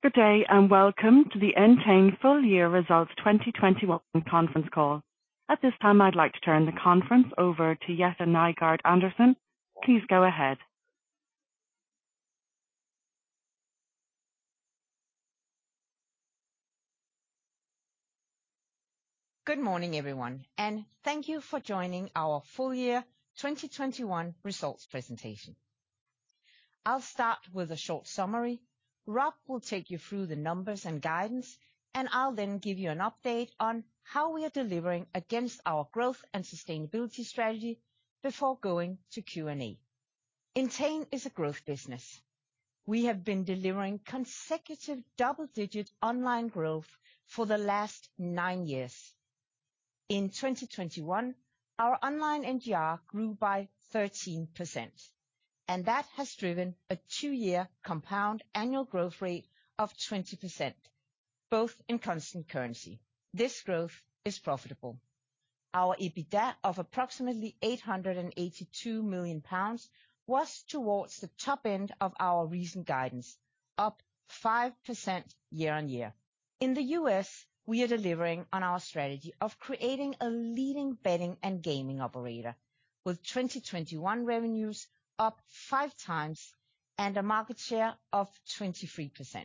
Good day, and welcome to the Entain full year results 2021 conference call. At this time, I'd like to turn the conference over to Jette Nygaard-Andersen. Please go ahead. Good morning, everyone, and thank you for joining our full year 2021 results presentation. I'll start with a short summary. Rob will take you through the numbers and guidance, and I'll then give you an update on how we are delivering against our growth and sustainability strategy before going to Q&A. Entain is a growth business. We have been delivering consecutive double-digit online growth for the last nine years. In 2021, our online NGR grew by 13%, and that has driven a two-year compound annual growth rate of 20%, both in constant currency. This growth is profitable. Our EBITDA of approximately 882 million pounds was towards the top end of our recent guidance, up 5% year-on-year. In the U.S., we are delivering on our strategy of creating a leading betting and gaming operator with 2021 revenues up five times and a market share of 23%.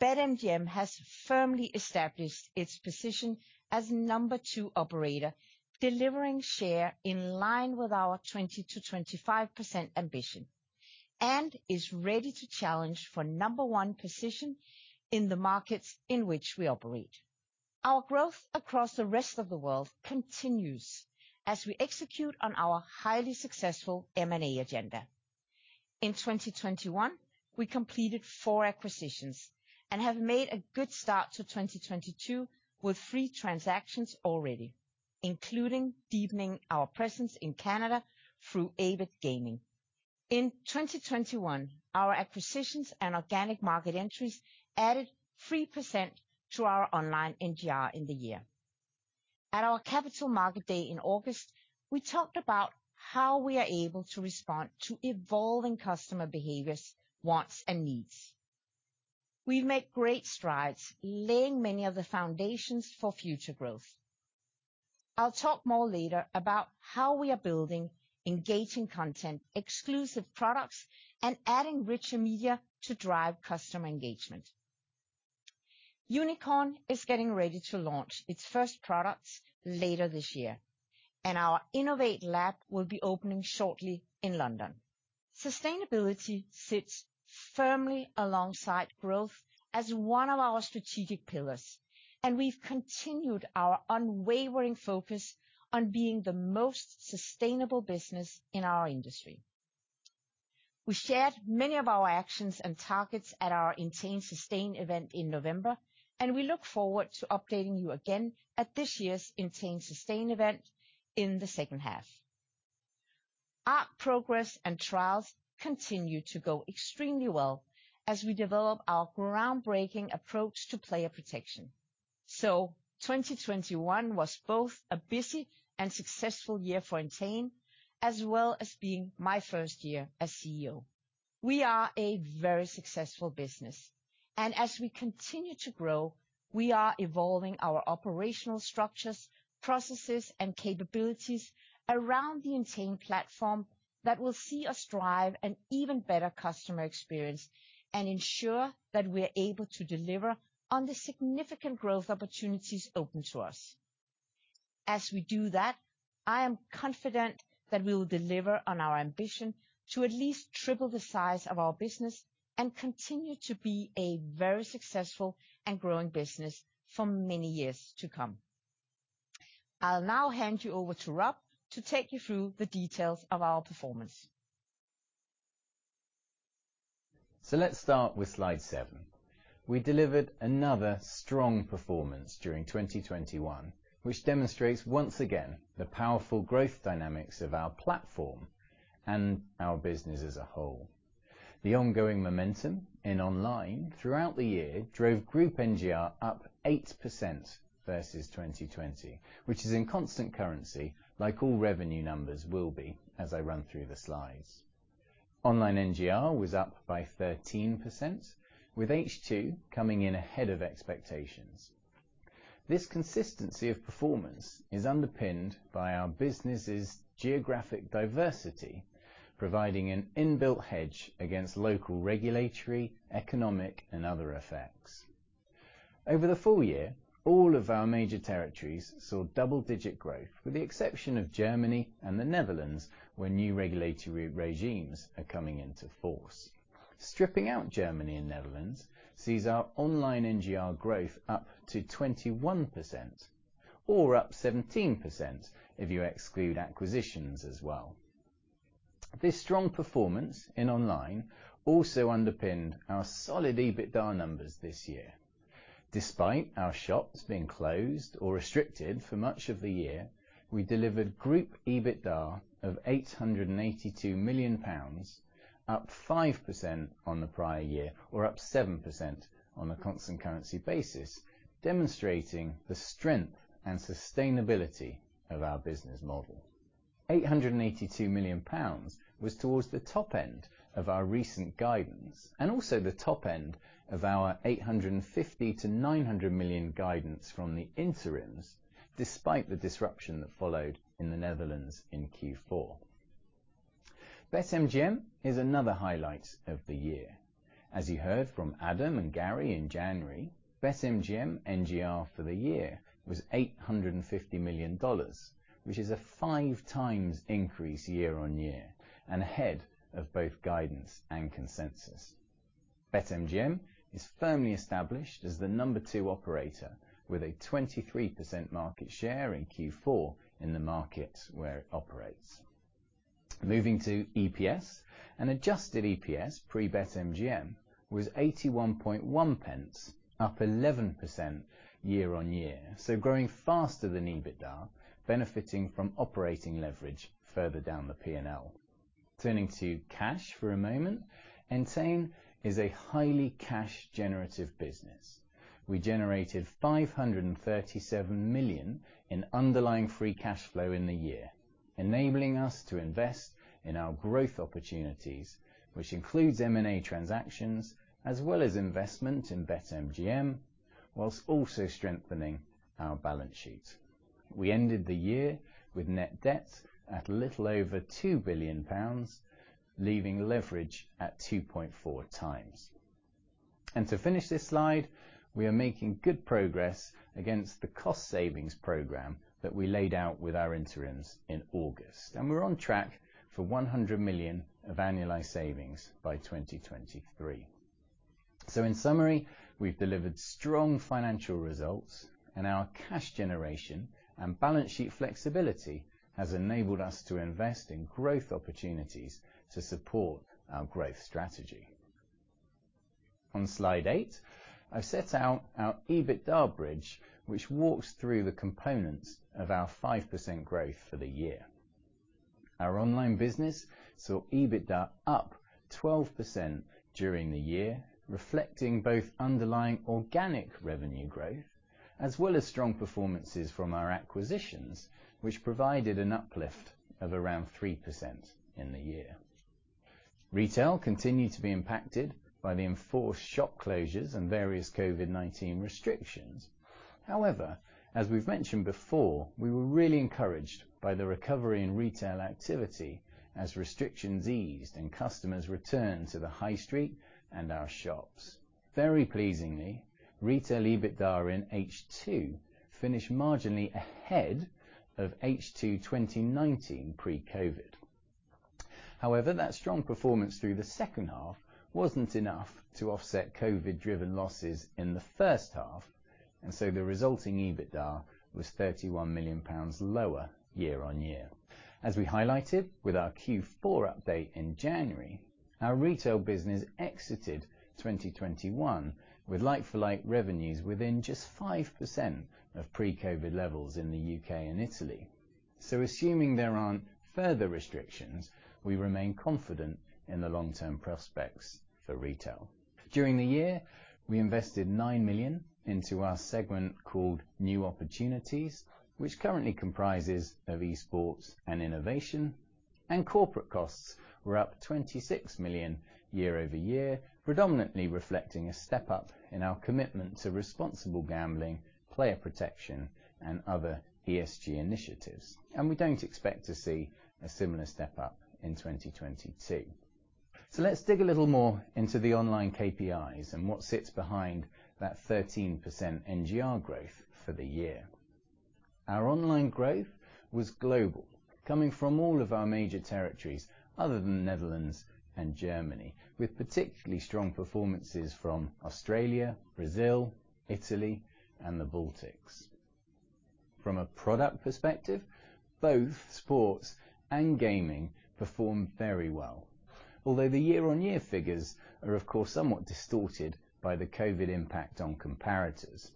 BetMGM has firmly established its position as number two operator, delivering share in line with our 20%-25% ambition, and is ready to challenge for number one position in the markets in which we operate. Our growth across the rest of the world continues as we execute on our highly successful M&A agenda. In 2021, we completed four acquisitions and have made a good start to 2022 with three transactions already, including deepening our presence in Canada through Avid Gaming. In 2021, our acquisitions and organic market entries added 3% to our online NGR in the year. At our capital market day in August, we talked about how we are able to respond to evolving customer behaviors, wants, and needs. We've made great strides, laying many of the foundations for future growth. I'll talk more later about how we are building engaging content, exclusive products, and adding richer media to drive customer engagement. Unikrn is getting ready to launch its first products later this year, and our Ennovate Lab will be opening shortly in London. Sustainability sits firmly alongside growth as one of our strategic pillars, and we've continued our unwavering focus on being the most sustainable business in our industry. We shared many of our actions and targets at our Entain Sustain event in November, and we look forward to updating you again at this year's Entain Sustain event in the second half. Our progress and trials continue to go extremely well as we develop our groundbreaking approach to player protection. 2021 was both a busy and successful year for Entain, as well as being my first year as CEO. We are a very successful business, and as we continue to grow, we are evolving our operational structures, processes, and capabilities around the Entain platform that will see us drive an even better customer experience and ensure that we're able to deliver on the significant growth opportunities open to us. As we do that, I am confident that we will deliver on our ambition to at least triple the size of our business and continue to be a very successful and growing business for many years to come. I'll now hand you over to Rob to take you through the details of our performance. Let's start with slide seven. We delivered another strong performance during 2021, which demonstrates once again the powerful growth dynamics of our platform and our business as a whole. The ongoing momentum in online throughout the year drove group NGR up 8% versus 2020, which is in constant currency, like all revenue numbers will be as I run through the slides. Online NGR was up by 13%, with H2 coming in ahead of expectations. This consistency of performance is underpinned by our business's geographic diversity, providing an inbuilt hedge against local regulatory, economic, and other effects. Over the full year, all of our major territories saw double-digit growth, with the exception of Germany and the Netherlands, where new regulatory regimes are coming into force. Stripping out Germany and Netherlands sees our online NGR growth up to 21% or up 17% if you exclude acquisitions as well. This strong performance in online also underpinned our solid EBITDA numbers this year. Despite our shops being closed or restricted for much of the year, we delivered group EBITDA of 882 million pounds, up 5% on the prior year or up 7% on a constant currency basis, demonstrating the strength and sustainability of our business model. 882 million pounds was towards the top end of our recent guidance, and also the top end of our 850 million-900 million guidance from the interims, despite the disruption that followed in the Netherlands in Q4. BetMGM is another highlight of the year. As you heard from Adam and Gary in January, BetMGM NGR for the year was $850 million, which is a 5x increase year-on-year, and ahead of both guidance and consensus. BetMGM is firmly established as the number two operator, with a 23% market share in Q4 in the market where it operates. Moving to EPS, an adjusted EPS pre BetMGM was GBP 0.811, up 11% year-on-year. Growing faster than EBITDA, benefiting from operating leverage further down the P&L. Turning to cash for a moment, Entain is a highly cash-generative business. We generated 537 million in underlying free cash flow in the year, enabling us to invest in our growth opportunities, which includes M&A transactions as well as investment in BetMGM, whilst also strengthening our balance sheet. We ended the year with net debt at a little over 2 billion pounds, leaving leverage at 2.4 times. To finish this slide, we are making good progress against the cost savings program that we laid out with our interims in August, and we're on track for 100 million of annualized savings by 2023. In summary, we've delivered strong financial results, and our cash generation and balance sheet flexibility has enabled us to invest in growth opportunities to support our growth strategy. On slide eight, I set out our EBITDA bridge, which walks through the components of our 5% growth for the year. Our online business saw EBITDA up 12% during the year, reflecting both underlying organic revenue growth, as well as strong performances from our acquisitions, which provided an uplift of around 3% in the year. Retail continued to be impacted by the enforced shop closures and various COVID-19 restrictions. However, as we've mentioned before, we were really encouraged by the recovery in retail activity as restrictions eased and customers returned to the high street and our shops. Very pleasingly, retail EBITDA in H2 finished marginally ahead of H2 2019 pre-COVID. However, that strong performance through the second half wasn't enough to offset COVID-driven losses in the first half, and so the resulting EBITDA was 31 million pounds lower year-on-year. As we highlighted with our Q4 update in January, our retail business exited 2021 with like-for-like revenues within just 5% of pre-COVID levels in the U.K. and Italy. Assuming there aren't further restrictions, we remain confident in the long-term prospects for retail. During the year, we invested 9 million into our segment called New Opportunities, which currently comprises of esports and innovation, and corporate costs were up 26 million year-over-year, predominantly reflecting a step-up in our commitment to responsible gambling, player protection, and other ESG initiatives. We don't expect to see a similar step-up in 2022. Let's dig a little more into the online KPIs and what sits behind that 13% NGR growth for the year. Our online growth was global, coming from all of our major territories other than Netherlands and Germany, with particularly strong performances from Australia, Brazil, Italy, and the Baltics. From a product perspective, both sports and gaming performed very well. Although the year-on-year figures are of course, somewhat distorted by the COVID impact on comparators.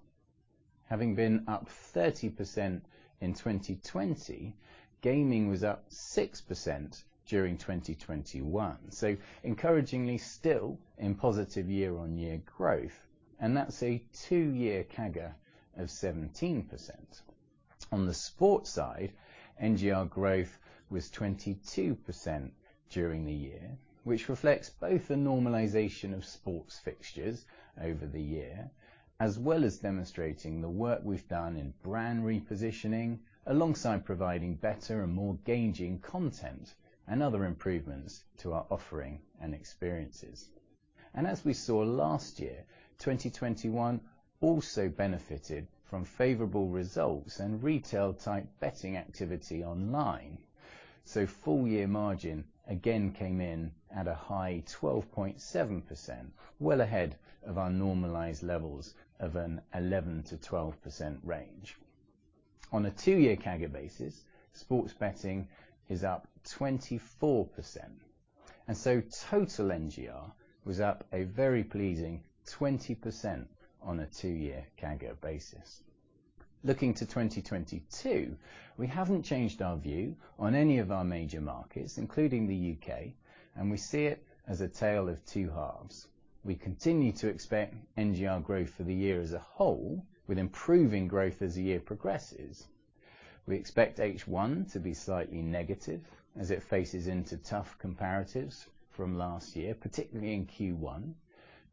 Having been up 30% in 2020, gaming was up 6% during 2021. Encouragingly still in positive year-on-year growth, and that's a two-year CAGR of 17%. On the sports side, NGR growth was 22% during the year, which reflects both the normalization of sports fixtures over the year, as well as demonstrating the work we've done in brand repositioning, alongside providing better and more engaging content and other improvements to our offering and experiences. As we saw last year, 2021 also benefited from favorable results and retail-type betting activity online. Full-year margin again came in at a high 12.7%, well ahead of our normalized levels of an 11%-12% range. On a two-year CAGR basis, sports betting is up 24%, and so total NGR was up a very pleasing 20% on a two-year CAGR basis. Looking to 2022, we haven't changed our view on any of our major markets, including the U.K., and we see it as a tale of two halves. We continue to expect NGR growth for the year as a whole with improving growth as the year progresses. We expect H1 to be slightly negative as it faces into tough comparatives from last year, particularly in Q1.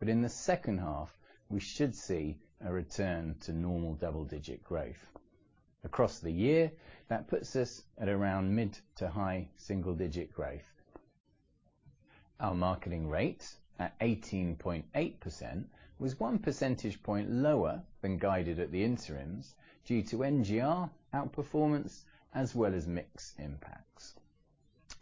In the second half, we should see a return to normal double-digit growth. Across the year, that puts us at around mid- to high single-digit growth. Our marketing rate at 18.8% was one percentage point lower than guided at the interims due to NGR outperformance as well as mix impacts.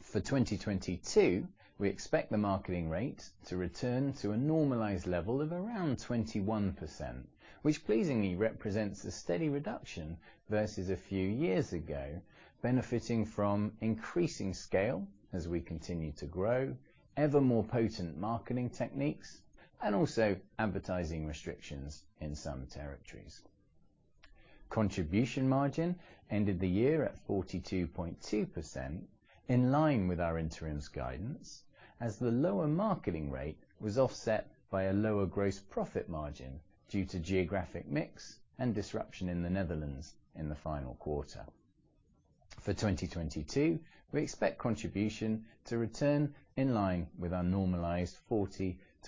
For 2022, we expect the marketing rate to return to a normalized level of around 21%, which pleasingly represents a steady reduction versus a few years ago, benefiting from increasing scale as we continue to grow, ever more potent marketing techniques, and also advertising restrictions in some territories. Contribution margin ended the year at 42.2% in line with our interim's guidance as the lower marketing rate was offset by a lower gross profit margin due to geographic mix and disruption in the Netherlands in the final quarter. For 2022, we expect contribution to return in line with our normalized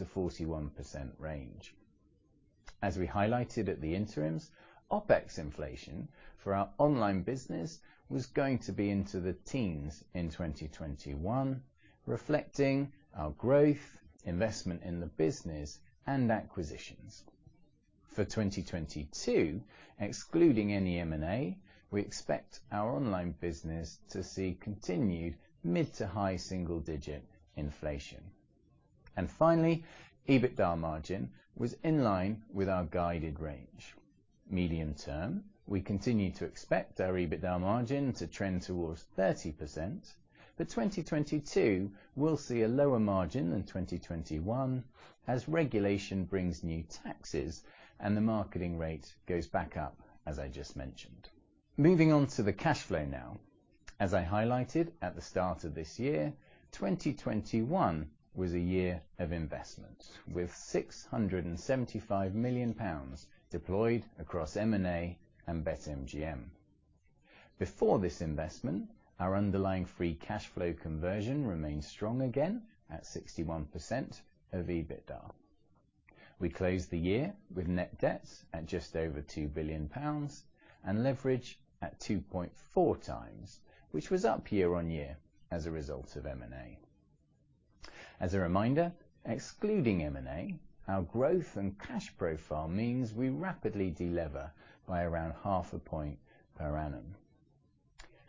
40%-41% range. As we highlighted at the interims, OpEx inflation for our online business was going to be into the teens in 2021, reflecting our growth, investment in the business, and acquisitions. For 2022, excluding any M&A, we expect our online business to see continued mid- to high-single-digit % inflation. Finally, EBITDA margin was in line with our guided range. Medium term, we continue to expect our EBITDA margin to trend towards 30%. 2022, we'll see a lower margin than 2021 as regulation brings new taxes and the marketing rate goes back up, as I just mentioned. Moving on to the cash flow now. As I highlighted at the start of this year, 2021 was a year of investment, with 675 million pounds deployed across M&A and BetMGM. Before this investment, our underlying free cash flow conversion remained strong again at 61% of EBITDA. We closed the year with net debt at just over 2 billion pounds and leverage at 2.4x, which was up year-over-year as a result of M&A. As a reminder, excluding M&A, our growth and cash profile means we rapidly delever by around half a point per annum.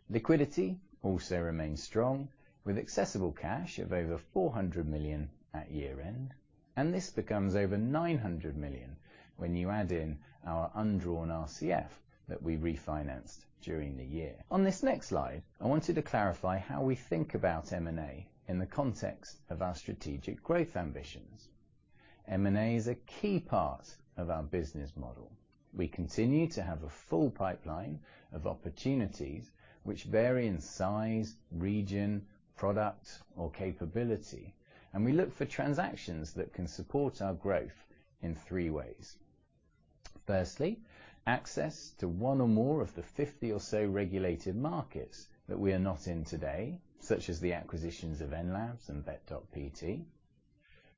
Liquidity also remains strong, with accessible cash of over 400 million at year-end, and this becomes over 900 million when you add in our undrawn RCF that we refinanced during the year. On this next slide, I wanted to clarify how we think about M&A in the context of our strategic growth ambitions. M&A is a key part of our business model. We continue to have a full pipeline of opportunities which vary in size, region, product, or capability, and we look for transactions that can support our growth in three ways. Firstly, access to one or more of the 50 or so regulated markets that we are not in today, such as the acquisitions of Enlabs and Bet.pt.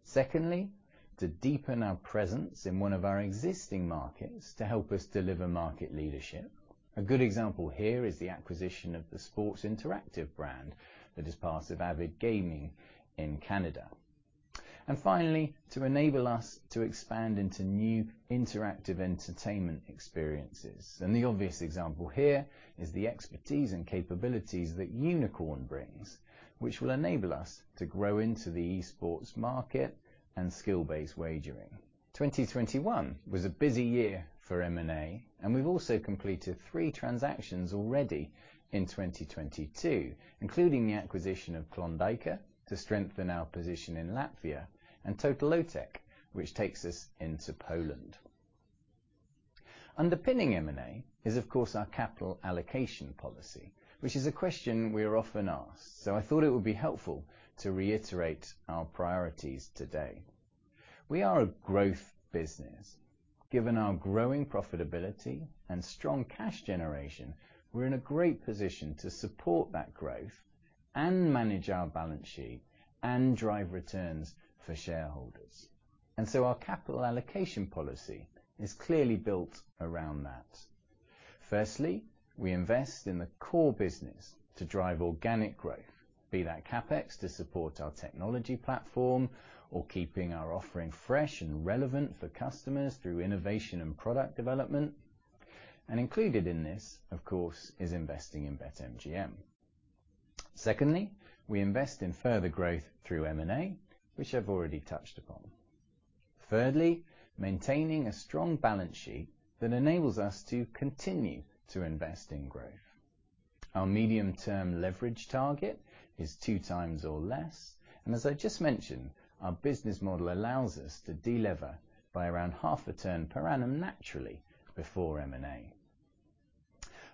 Secondly, to deepen our presence in one of our existing markets to help us deliver market leadership. A good example here is the acquisition of the Sports Interaction brand that is part of Avid Gaming in Canada. Finally, to enable us to expand into new interactive entertainment experiences. The obvious example here is the expertise and capabilities that Unikrn brings, which will enable us to grow into the esports market and skill-based wagering. 2021 was a busy year for M&A, and we've also completed three transactions already in 2022, including the acquisition of Klondaika to strengthen our position in Latvia and Totalizator Sportowy which takes us into Poland. Underpinning M&A is, of course, our capital allocation policy, which is a question we are often asked, so I thought it would be helpful to reiterate our priorities today. We are a growth business. Given our growing profitability and strong cash generation, we're in a great position to support that growth and manage our balance sheet and drive returns for shareholders. Our capital allocation policy is clearly built around that. Firstly, we invest in the core business to drive organic growth, be that CapEx to support our technology platform or keeping our offering fresh and relevant for customers through innovation and product development. Included in this, of course, is investing in BetMGM. Secondly, we invest in further growth through M&A, which I've already touched upon. Thirdly, maintaining a strong balance sheet that enables us to continue to invest in growth. Our medium-term leverage target is 2x or less, and as I just mentioned, our business model allows us to de-lever by around half a turn per annum naturally before M&A.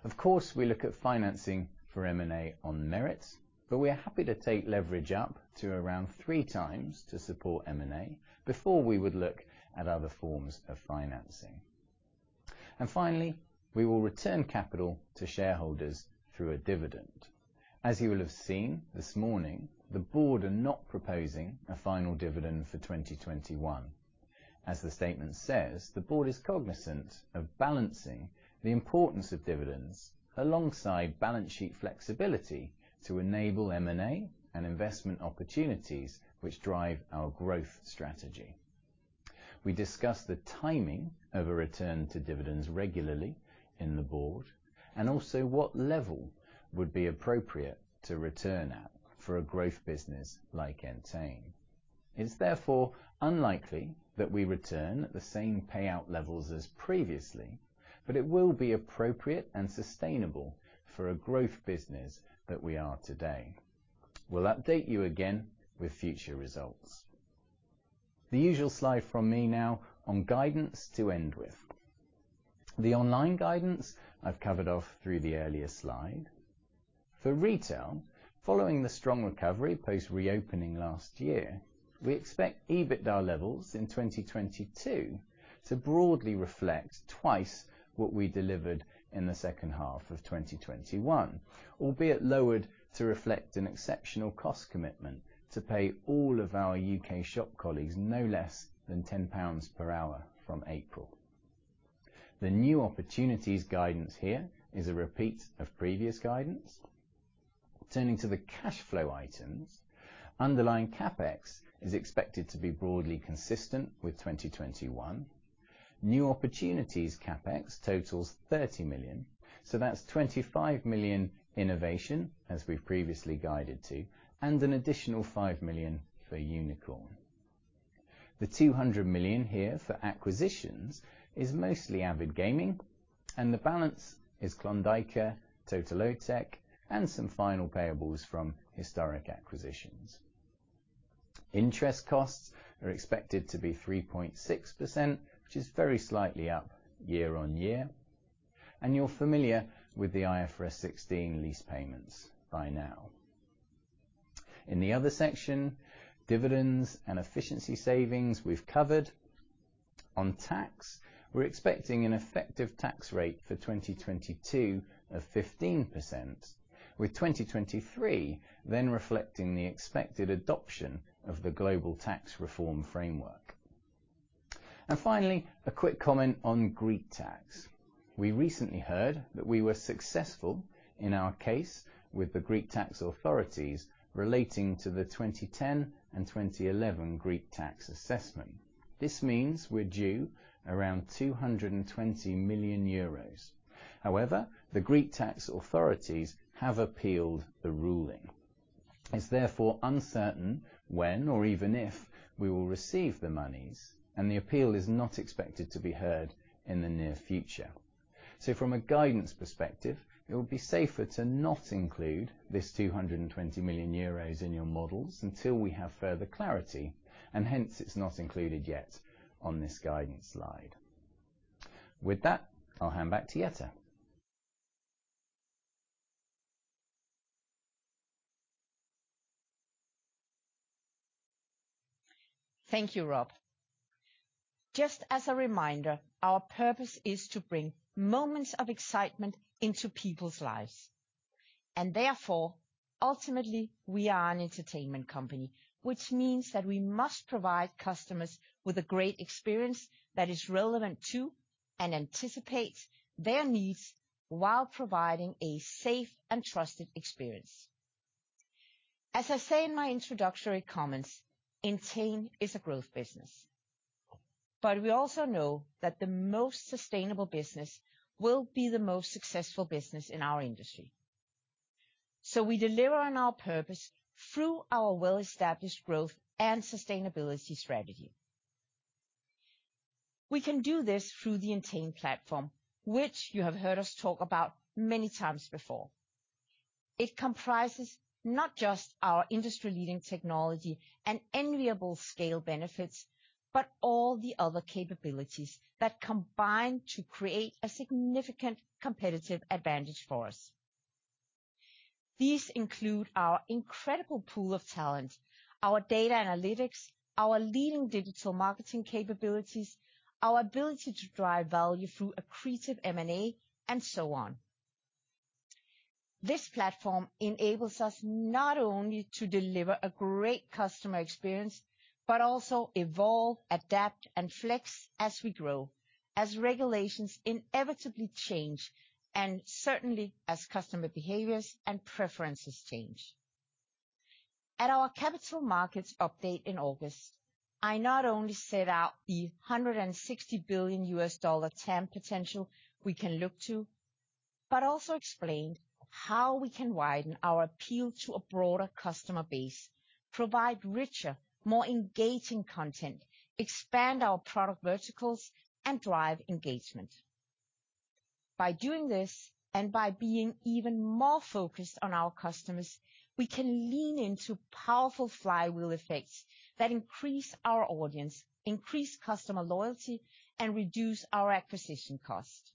Of course, we look at financing for M&A on merit, but we are happy to take leverage up to around 3x to support M&A before we would look at other forms of financing. Finally, we will return capital to shareholders through a dividend. As you will have seen this morning, the board are not proposing a final dividend for 2021. As the statement says, the board is cognizant of balancing the importance of dividends alongside balance sheet flexibility to enable M&A and investment opportunities which drive our growth strategy. We discuss the timing of a return to dividends regularly in the board and also what level would be appropriate to return at for a growth business like Entain. It is therefore unlikely that we return the same payout levels as previously, but it will be appropriate and sustainable for a growth business that we are today. We'll update you again with future results. The usual slide from me now on guidance to end with. The online guidance I've covered off through the earlier slide. For retail, following the strong recovery post reopening last year, we expect EBITDA levels in 2022 to broadly reflect twice what we delivered in the second half of 2021, albeit lowered to reflect an exceptional cost commitment to pay all of our U.K. shop colleagues no less than 10 pounds per hour from April. The new opportunities guidance here is a repeat of previous guidance. Turning to the cash flow items, underlying CapEx is expected to be broadly consistent with 2021. New opportunities CapEx totals 30 million, so that's 25 million innovation, as we've previously guided to, and an additional 5 million for Unikrn. The 200 million here for acquisitions is mostly Avid Gaming, and the balance is Klondaika, Totolotek, and some final payables from historic acquisitions. Interest costs are expected to be 3.6%, which is very slightly up year on year, and you're familiar with the IFRS 16 lease payments by now. In the other section, dividends and efficiency savings we've covered. On tax, we're expecting an effective tax rate for 2022 of 15%, with 2023 then reflecting the expected adoption of the global tax reform framework. Finally, a quick comment on Greek tax. We recently heard that we were successful in our case with the Greek tax authorities relating to the 2010 and 2011 Greek tax assessment. This means we're due around 220 million euros. However, the Greek tax authorities have appealed the ruling. It's therefore uncertain when or even if we will receive the monies, and the appeal is not expected to be heard in the near future. From a guidance perspective, it would be safer to not include this 220 million euros in your models until we have further clarity, and hence it's not included yet on this guidance slide. With that, I'll hand back to Jette. Thank you, Rob. Just as a reminder, our purpose is to bring moments of excitement into people's lives. Therefore, ultimately, we are an entertainment company, which means that we must provide customers with a great experience that is relevant to and anticipates their needs while providing a safe and trusted experience. As I say in my introductory comments, Entain is a growth business, but we also know that the most sustainable business will be the most successful business in our industry. We deliver on our purpose through our well-established growth and sustainability strategy. We can do this through the Entain platform, which you have heard us talk about many times before. It comprises not just our industry-leading technology and enviable scale benefits, but all the other capabilities that combine to create a significant competitive advantage for us. These include our incredible pool of talent, our data analytics, our leading digital marketing capabilities, our ability to drive value through accretive M&A, and so on. This platform enables us not only to deliver a great customer experience, but also evolve, adapt, and flex as we grow, as regulations inevitably change, and certainly as customer behaviors and preferences change. At our capital markets update in August, I not only set out the $160 billion TAM potential we can look to, but also explained how we can widen our appeal to a broader customer base, provide richer, more engaging content, expand our product verticals, and drive engagement. By doing this, and by being even more focused on our customers, we can lean into powerful flywheel effects that increase our audience, increase customer loyalty, and reduce our acquisition cost.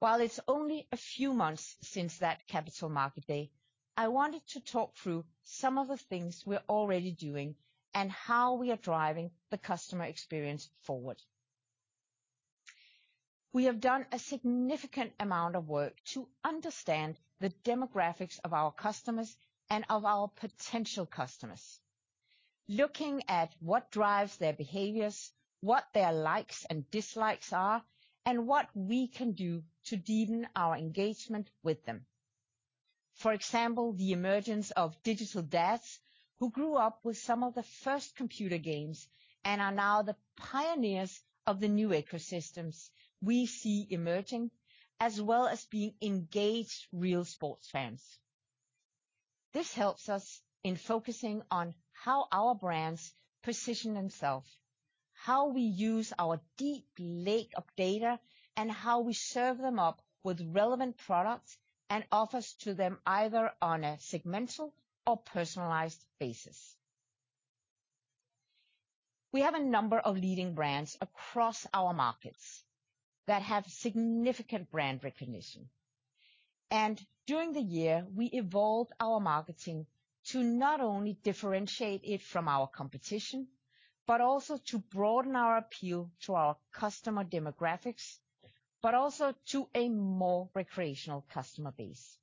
While it's only a few months since that capital market day, I wanted to talk through some of the things we're already doing, and how we are driving the customer experience forward. We have done a significant amount of work to understand the demographics of our customers and of our potential customers, looking at what drives their behaviors, what their likes and dislikes are, and what we can do to deepen our engagement with them. For example, the emergence of digital dads who grew up with some of the first computer games and are now the pioneers of the new ecosystems we see emerging, as well as being engaged real sports fans. This helps us in focusing on how our brands position themselves, how we use our deep lake of data, and how we serve them up with relevant products and offers to them, either on a segmental or personalized basis. We have a number of leading brands across our markets that have significant brand recognition, and during the year, we evolved our marketing to not only differentiate it from our competition, but also to broaden our appeal to our customer demographics, but also to a more recreational customer base.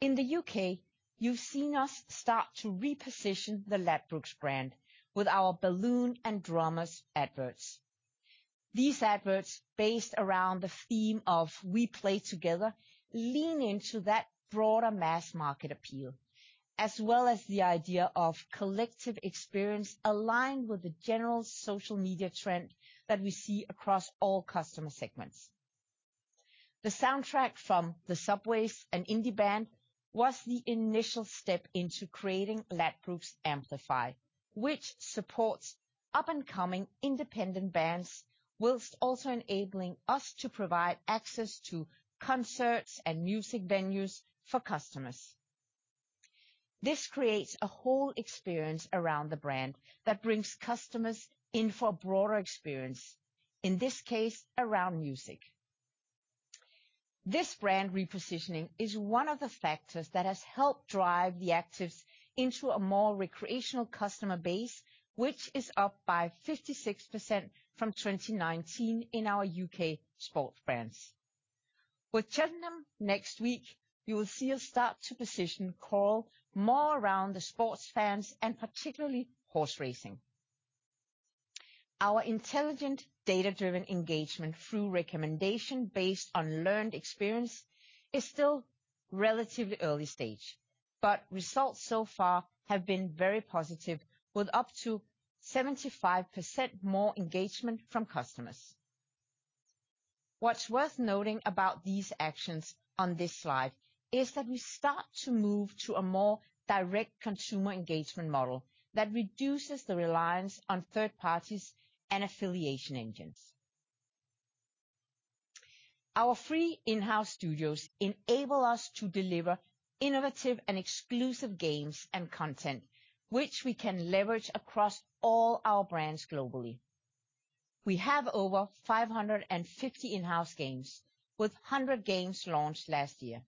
In the U.K., you've seen us start to reposition the Ladbrokes brand with our balloon and drummers ads. These ads, based around the theme of we play together, lean into that broader mass market appeal, as well as the idea of collective experience aligned with the general social media trend that we see across all customer segments. The soundtrack from The Subways, an indie band, was the initial step into creating Ladbrokes Amplify, which supports up-and-coming independent bands, while also enabling us to provide access to concerts and music venues for customers. This creates a whole experience around the brand that brings customers in for a broader experience, in this case, around music. This brand repositioning is one of the factors that has helped drive the actives into a more recreational customer base, which is up by 56% from 2019 in our U.K. sports brands. With Cheltenham next week, you will see us start to position Coral more around the sports fans and particularly horse racing. Our intelligent data-driven engagement through recommendation based on learned experience is still relatively early stage. Results so far have been very positive with up to 75% more engagement from customers. What's worth noting about these actions on this slide is that we start to move to a more direct consumer engagement model that reduces the reliance on third parties and affiliation engines. Our three in-house studios enable us to deliver innovative and exclusive games and content, which we can leverage across all our brands globally. We have over 550 in-house games, with 100 games launched last year.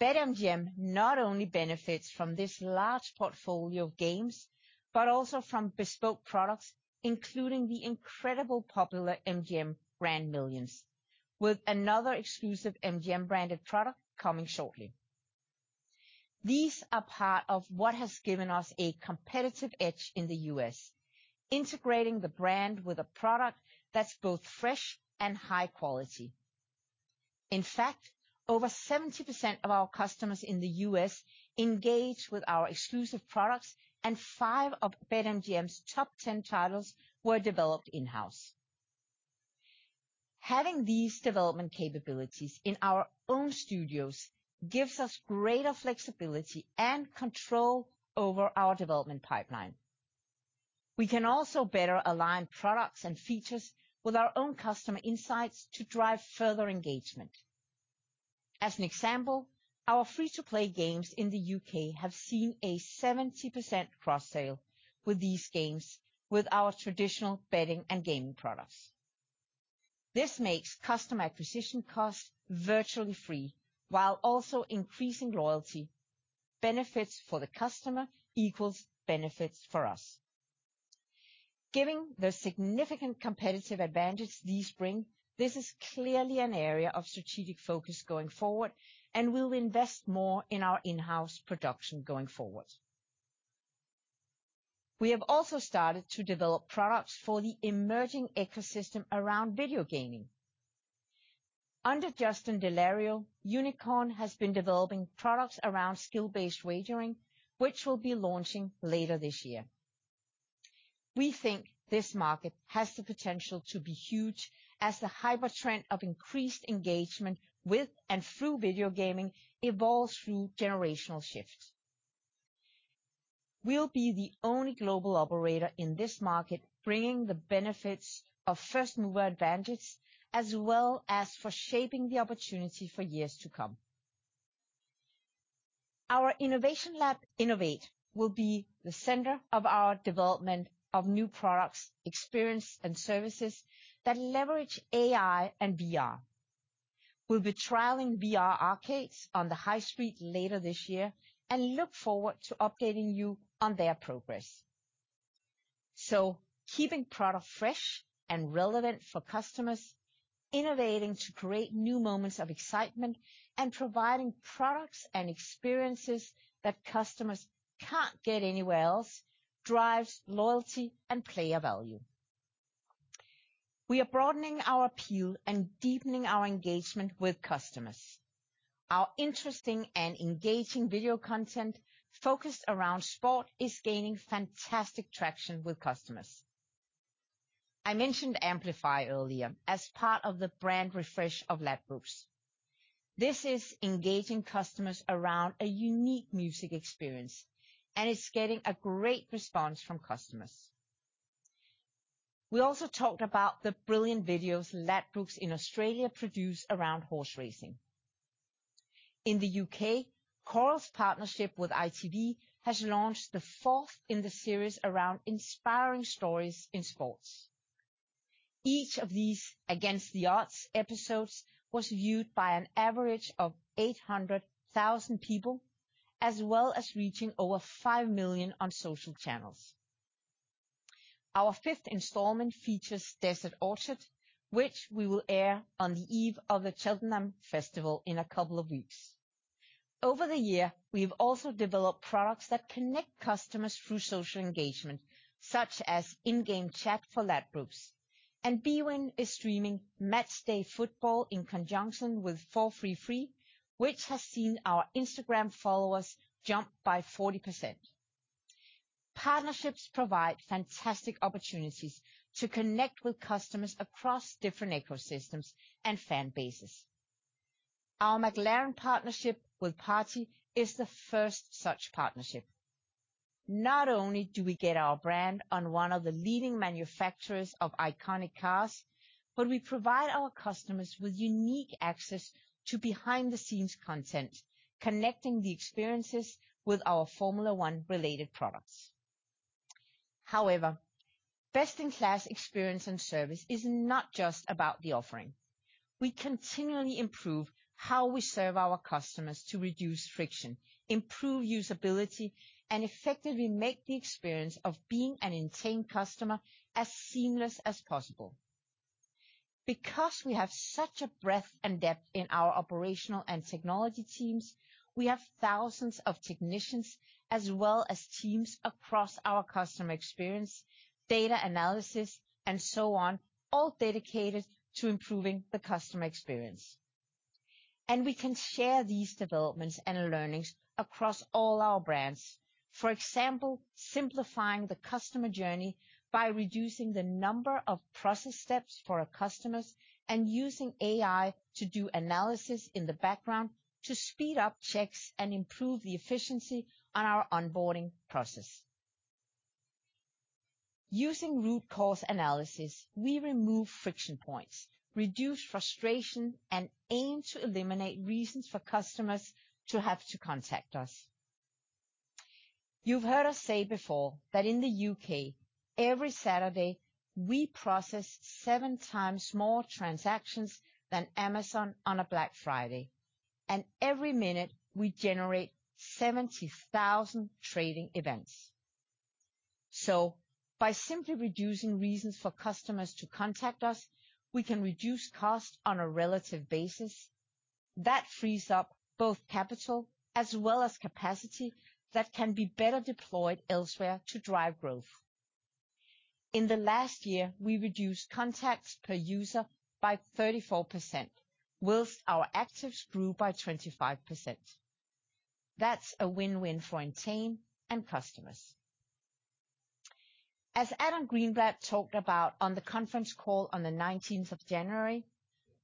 BetMGM not only benefits from this large portfolio of games, but also from bespoke products, including the incredibly popular MGM Grand Millions, with another exclusive MGM branded product coming shortly. These are part of what has given us a competitive edge in the U.S., integrating the brand with a product that's both fresh and high quality. In fact, over 70% of our customers in the U.S. engage with our exclusive products, and five of BetMGM's top 10 titles were developed in-house. Having these development capabilities in our own studios gives us greater flexibility and control over our development pipeline. We can also better align products and features with our own customer insights to drive further engagement. As an example, our free-to-play games in the U.K. have seen a 70% cross-sell with these games with our traditional betting and gaming products. This makes customer acquisition costs virtually free, while also increasing loyalty. Benefits for the customer equals benefits for us. Given the significant competitive advantage these bring, this is clearly an area of strategic focus going forward, and we'll invest more in our in-house production going forward. We have also started to develop products for the emerging ecosystem around video gaming. Under Justin Dellario, Unikrn has been developing products around skill-based wagering, which we'll be launching later this year. We think this market has the potential to be huge as the hyper trend of increased engagement with and through video gaming evolves through generational shifts. We'll be the only global operator in this market, bringing the benefits of first mover advantage, as well as for shaping the opportunity for years to come. Our innovation lab Ennovate will be the center of our development of new products, experience and services that leverage AI and VR. We'll be trialing VR arcades on the high street later this year, and look forward to updating you on their progress. Keeping product fresh and relevant for customers, innovating to create new moments of excitement, and providing products and experiences that customers can't get anywhere else drives loyalty and player value. We are broadening our appeal and deepening our engagement with customers. Our interesting and engaging video content focused around sport is gaining fantastic traction with customers. I mentioned Amplify earlier as part of the brand refresh of Ladbrokes. This is engaging customers around a unique music experience, and it's getting a great response from customers. We also talked about the brilliant videos Ladbrokes in Australia produce around horse racing. In the U.K., Coral's partnership with ITV has launched the fourth in the series around inspiring stories in sports. Each of these Against the Odds episodes was viewed by an average of 800,000 people, as well as reaching over five million on social channels. Our fifth installment features Desert Orchid, which we will air on the eve of the Cheltenham Festival in a couple of weeks. Over the year, we have also developed products that connect customers through social engagement, such as in-game chat for Ladbrokes. bwin is streaming match day football in conjunction with FreeSports, which has seen our Instagram followers jump by 40%. Partnerships provide fantastic opportunities to connect with customers across different ecosystems and fan bases. Our McLaren partnership with Party is the first such partnership. Not only do we get our brand on one of the leading manufacturers of iconic cars, but we provide our customers with unique access to behind-the-scenes content, connecting the experiences with our Formula One related products. However, best-in-class experience and service is not just about the offering. We continually improve how we serve our customers to reduce friction, improve usability, and effectively make the experience of being an Entain customer as seamless as possible. Because we have such a breadth and depth in our operational and technology teams, we have thousands of technicians as well as teams across our customer experience, data analysis and so on, all dedicated to improving the customer experience. We can share these developments and learnings across all our brands, for example, simplifying the customer journey by reducing the number of process steps for our customers and using AI to do analysis in the background to speed up checks and improve the efficiency on our onboarding process. Using root cause analysis, we remove friction points, reduce frustration, and aim to eliminate reasons for customers to have to contact us. You've heard us say before that in the U.K., every Saturday, we process seven times more transactions than Amazon on a Black Friday, and every minute we generate 70,000 trading events. By simply reducing reasons for customers to contact us, we can reduce costs on a relative basis. That frees up both capital as well as capacity that can be better deployed elsewhere to drive growth. In the last year, we reduced contacts per user by 34%, while our actives grew by 25%. That's a win-win for Entain and customers. As Adam Greenblatt talked about on the conference call on the nineteenth of January,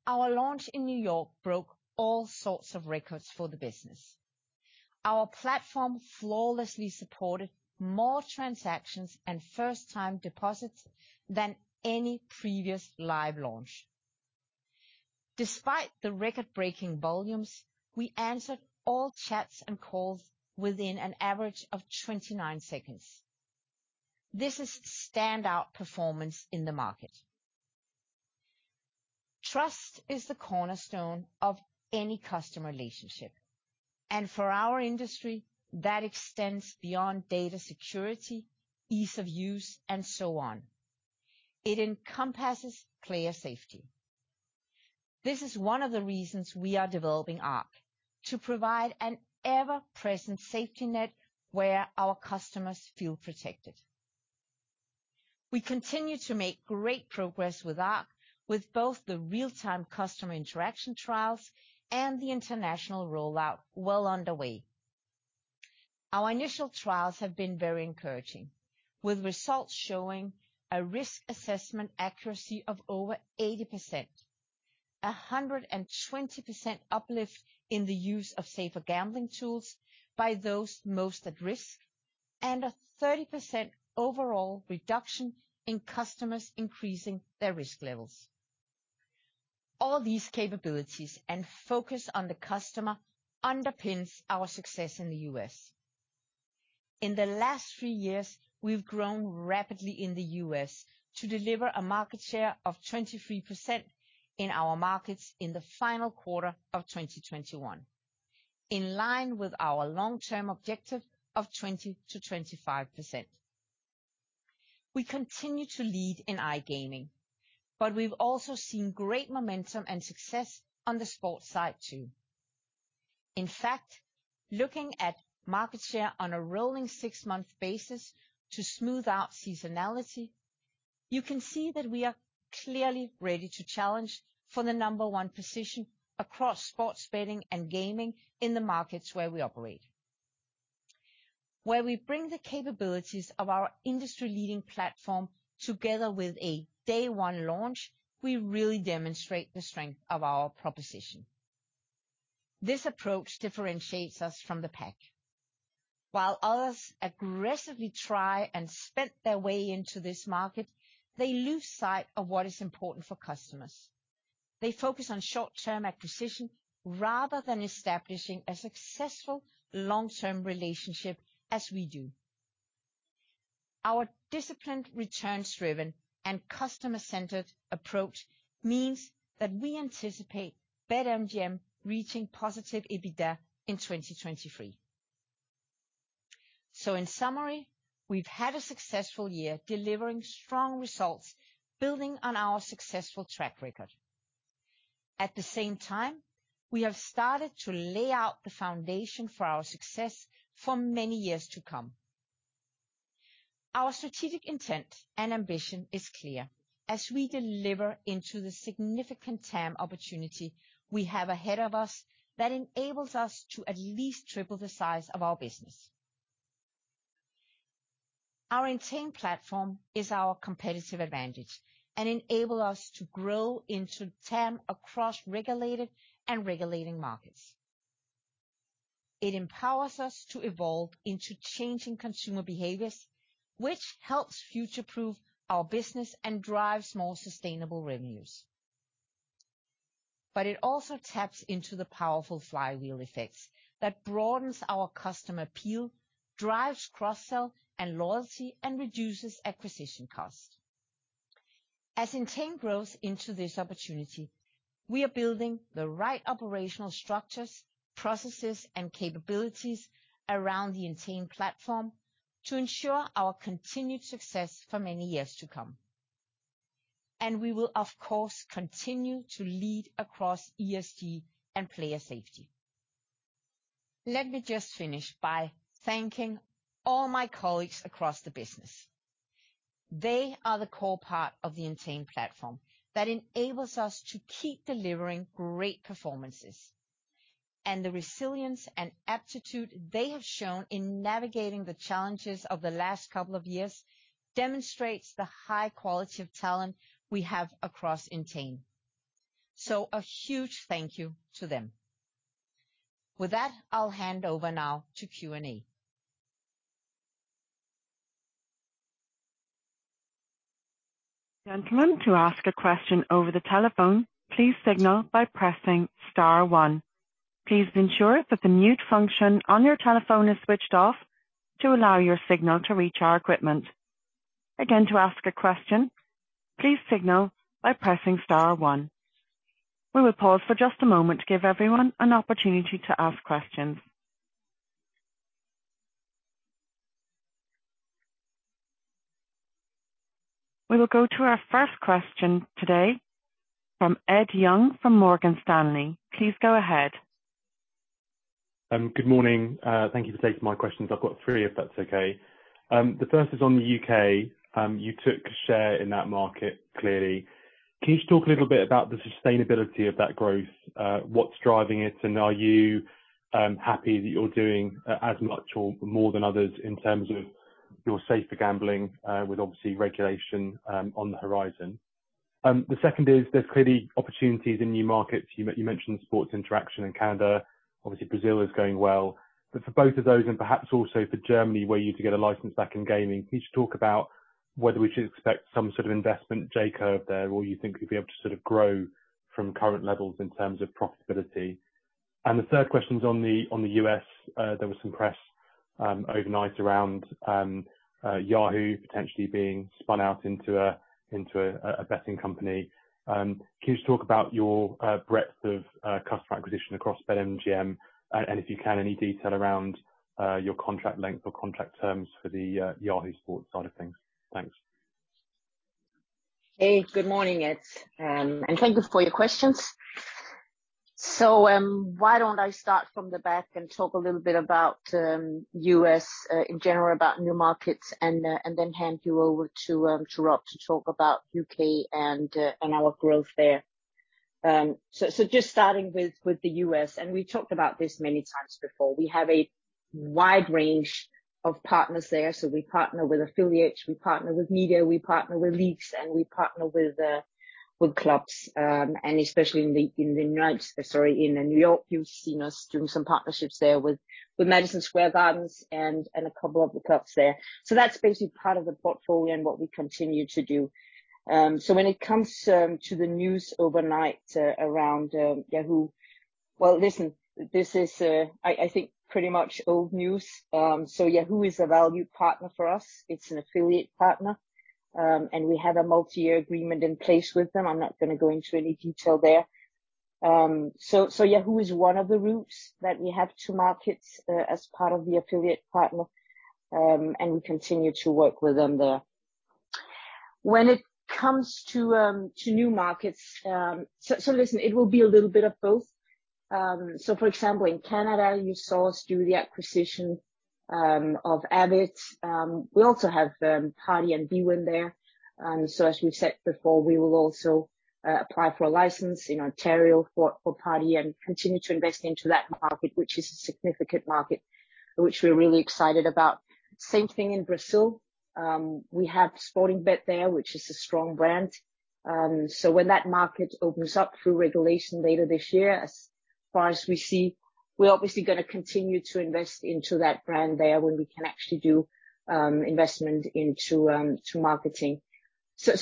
our launch in New York broke all sorts of records for the business. Our platform flawlessly supported more transactions and first-time deposits than any previous live launch. Despite the record-breaking volumes, we answered all chats and calls within an average of 29 seconds. This is standout performance in the market. Trust is the cornerstone of any customer relationship, and for our industry, that extends beyond data security, ease of use, and so on. It encompasses player safety. This is one of the reasons we are developing ARC to provide an ever-present safety net where our customers feel protected. We continue to make great progress with ARC, with both the real-time customer interaction trials and the international rollout well underway. Our initial trials have been very encouraging, with results showing a risk assessment accuracy of over 80%, 120% uplift in the use of safer gambling tools by those most at risk, and 30% overall reduction in customers increasing their risk levels. All these capabilities and focus on the customer underpins our success in the U.S. In the last three years, we've grown rapidly in the U.S. to deliver a market share of 23% in our markets in the final quarter of 2021, in line with our long-term objective of 20%-25%. We continue to lead in iGaming, but we've also seen great momentum and success on the sports side too. In fact, looking at market share on a rolling six-month basis to smooth out seasonality, you can see that we are clearly ready to challenge for the number one position across sports betting and gaming in the markets where we operate. Where we bring the capabilities of our industry-leading platform together with a day one launch, we really demonstrate the strength of our proposition. This approach differentiates us from the pack. While others aggressively try and spend their way into this market, they lose sight of what is important for customers. They focus on short-term acquisition rather than establishing a successful long-term relationship as we do. Our disciplined, returns-driven, and customer-centered approach means that we anticipate BetMGM reaching positive EBITDA in 2023. In summary, we've had a successful year delivering strong results, building on our successful track record. At the same time, we have started to lay out the foundation for our success for many years to come. Our strategic intent and ambition is clear as we deliver into the significant TAM opportunity we have ahead of us that enables us to at least triple the size of our business. Our Entain platform is our competitive advantage and enable us to grow into TAM across regulated and regulating markets. It empowers us to evolve into changing consumer behaviors, which helps future-proof our business and drives more sustainable revenues. It also taps into the powerful flywheel effects that broadens our customer appeal, drives cross-sell and loyalty, and reduces acquisition costs. As Entain grows into this opportunity, we are building the right operational structures, processes, and capabilities around the Entain platform to ensure our continued success for many years to come. We will, of course, continue to lead across ESG and player safety. Let me just finish by thanking all my colleagues across the business. They are the core part of the Entain platform that enables us to keep delivering great performances. The resilience and aptitude they have shown in navigating the challenges of the last couple of years demonstrates the high quality of talent we have across Entain. A huge thank you to them. With that, I'll hand over now to Q&A. Gentlemen, to ask a question over the telephone, please signal by pressing star one. Please ensure that the mute function on your telephone is switched off to allow your signal to reach our equipment. Again, to ask a question, please signal by pressing star one. We will pause for just a moment to give everyone an opportunity to ask questions. We will go to our first question today from Ed Young, from Morgan Stanley. Please go ahead. Good morning. Thank you for taking my questions. I've got three, if that's okay. The first is on the U.K. You took a share in that market, clearly. Can you just talk a little bit about the sustainability of that growth? What's driving it, and are you happy that you're doing as much or more than others in terms of your safer gambling, with obviously regulation on the horizon? The second is, there's clearly opportunities in new markets. You mentioned Sports Interaction in Canada. Obviously Brazil is going well. For both of those, and perhaps also for Germany, if you were to get a license back in gaming, can you just talk about whether we should expect some sort of investment J-curve there, or you think you'll be able to sort of grow from current levels in terms of profitability? The third question's on the U.S. There was some press overnight around Yahoo potentially being spun out into a betting company. Can you just talk about your breadth of customer acquisition across BetMGM? And if you can, any detail around your contract length or contract terms for the Yahoo sports side of things? Thanks. Hey, good morning, Ed, and thank you for your questions. Why don't I start from the back and talk a little bit about U.S. in general about new markets and then hand you over to Rob to talk about U.K. and our growth there. So just starting with the U.S., and we talked about this many times before. We have a wide range of partners there. We partner with affiliates, we partner with media, we partner with leagues, and we partner with clubs. Especially in New York, you've seen us do some partnerships there with Madison Square Garden and a couple of the clubs there. That's basically part of the portfolio and what we continue to do. When it comes to the news overnight around Yahoo, well, listen, this is I think pretty much old news. Yahoo is a valued partner for us. It's an affiliate partner. We have a multi-year agreement in place with them. I'm not gonna go into any detail there. Yahoo is one of the routes that we have to markets, as part of the affiliate partner, and we continue to work with them there. When it comes to new markets, listen, it will be a little bit of both. For example, in Canada, you saw us do the acquisition of Avid Gaming. We also have partypoker and bwin there. As we've said before, we will also apply for a license in Ontario for partypoker and continue to invest into that market, which is a significant market which we're really excited about. Same thing in Brazil. We have Sportingbet there, which is a strong brand. When that market opens up through regulation later this year, as far as we see, we're obviously gonna continue to invest into that brand there when we can actually do investment into to marketing.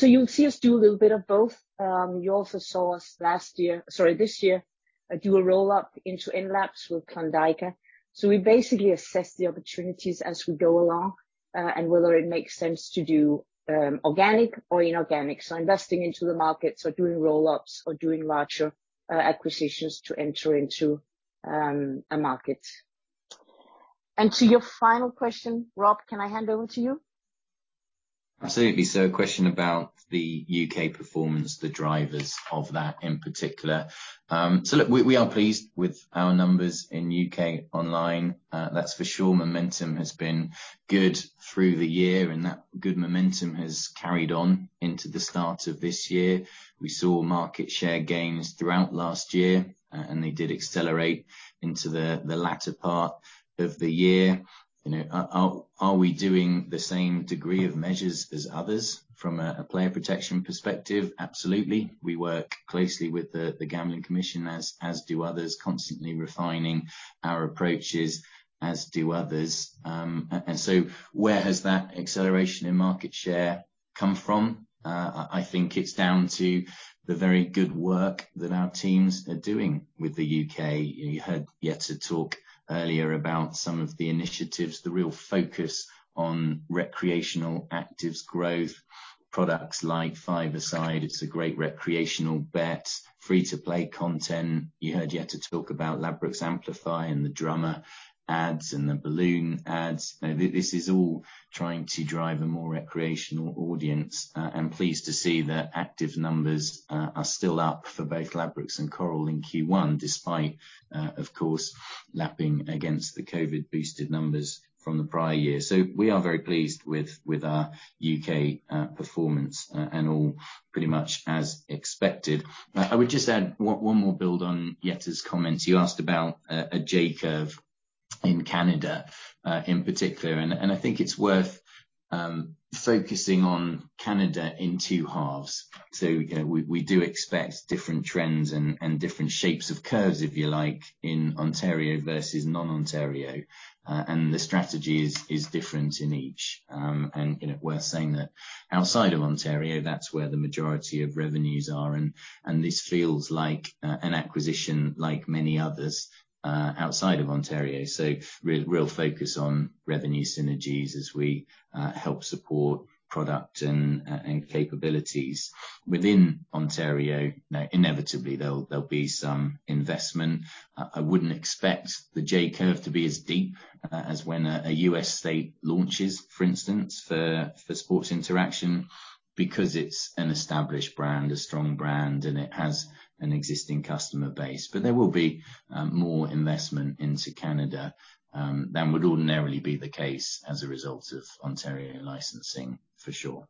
You'll see us do a little bit of both. You also saw us last year, sorry, this year, do a roll-up into Enlabs with Klondaika. We basically assess the opportunities as we go along, and whether it makes sense to do organic or inorganic. Investing into the markets or doing roll-ups or doing larger acquisitions to enter into a market. To your final question, Rob, can I hand over to you? Absolutely. A question about the U.K. performance, the drivers of that in particular. Look, we are pleased with our numbers in U.K. online, that's for sure. Momentum has been good through the year, and that good momentum has carried on into the start of this year. We saw market share gains throughout last year, and they did accelerate into the latter part of the year. You know, are we doing the same degree of measures as others from a player protection perspective? Absolutely. We work closely with the Gambling Commission, as do others, constantly refining our approaches, as do others. Where has that acceleration in market share come from? I think it's down to the very good work that our teams are doing with the U.K. You heard Jette talk earlier about some of the initiatives, the real focus on recreational activities growth, products like Five-a-Side. It's a great recreational bet, free-to-play content. You heard Jette talk about Ladbrokes Amplify and the drummer ads and the balloon ads. You know, this is all trying to drive a more recreational audience. I'm pleased to see that active numbers are still up for both Ladbrokes and Coral in Q1, despite, of course, lapping against the COVID-boosted numbers from the prior year. We are very pleased with our U.K. performance and all pretty much as expected. I would just add one more build on Jette's comments. You asked about a J-curve in Canada in particular, and I think it's worth focusing on Canada in two halves. You know, we do expect different trends and different shapes of curves, if you like, in Ontario versus non-Ontario. The strategy is different in each. You know, worth saying that outside of Ontario, that's where the majority of revenues are, and this feels like an acquisition like many others outside of Ontario. Real focus on revenue synergies as we help support product and capabilities. Within Ontario, you know, inevitably there'll be some investment. I wouldn't expect the J curve to be as deep as when a U.S. state launches, for instance, for Sports Interaction, because it's an established brand, a strong brand, and it has an existing customer base. There will be more investment into Canada than would ordinarily be the case as a result of Ontario licensing, for sure.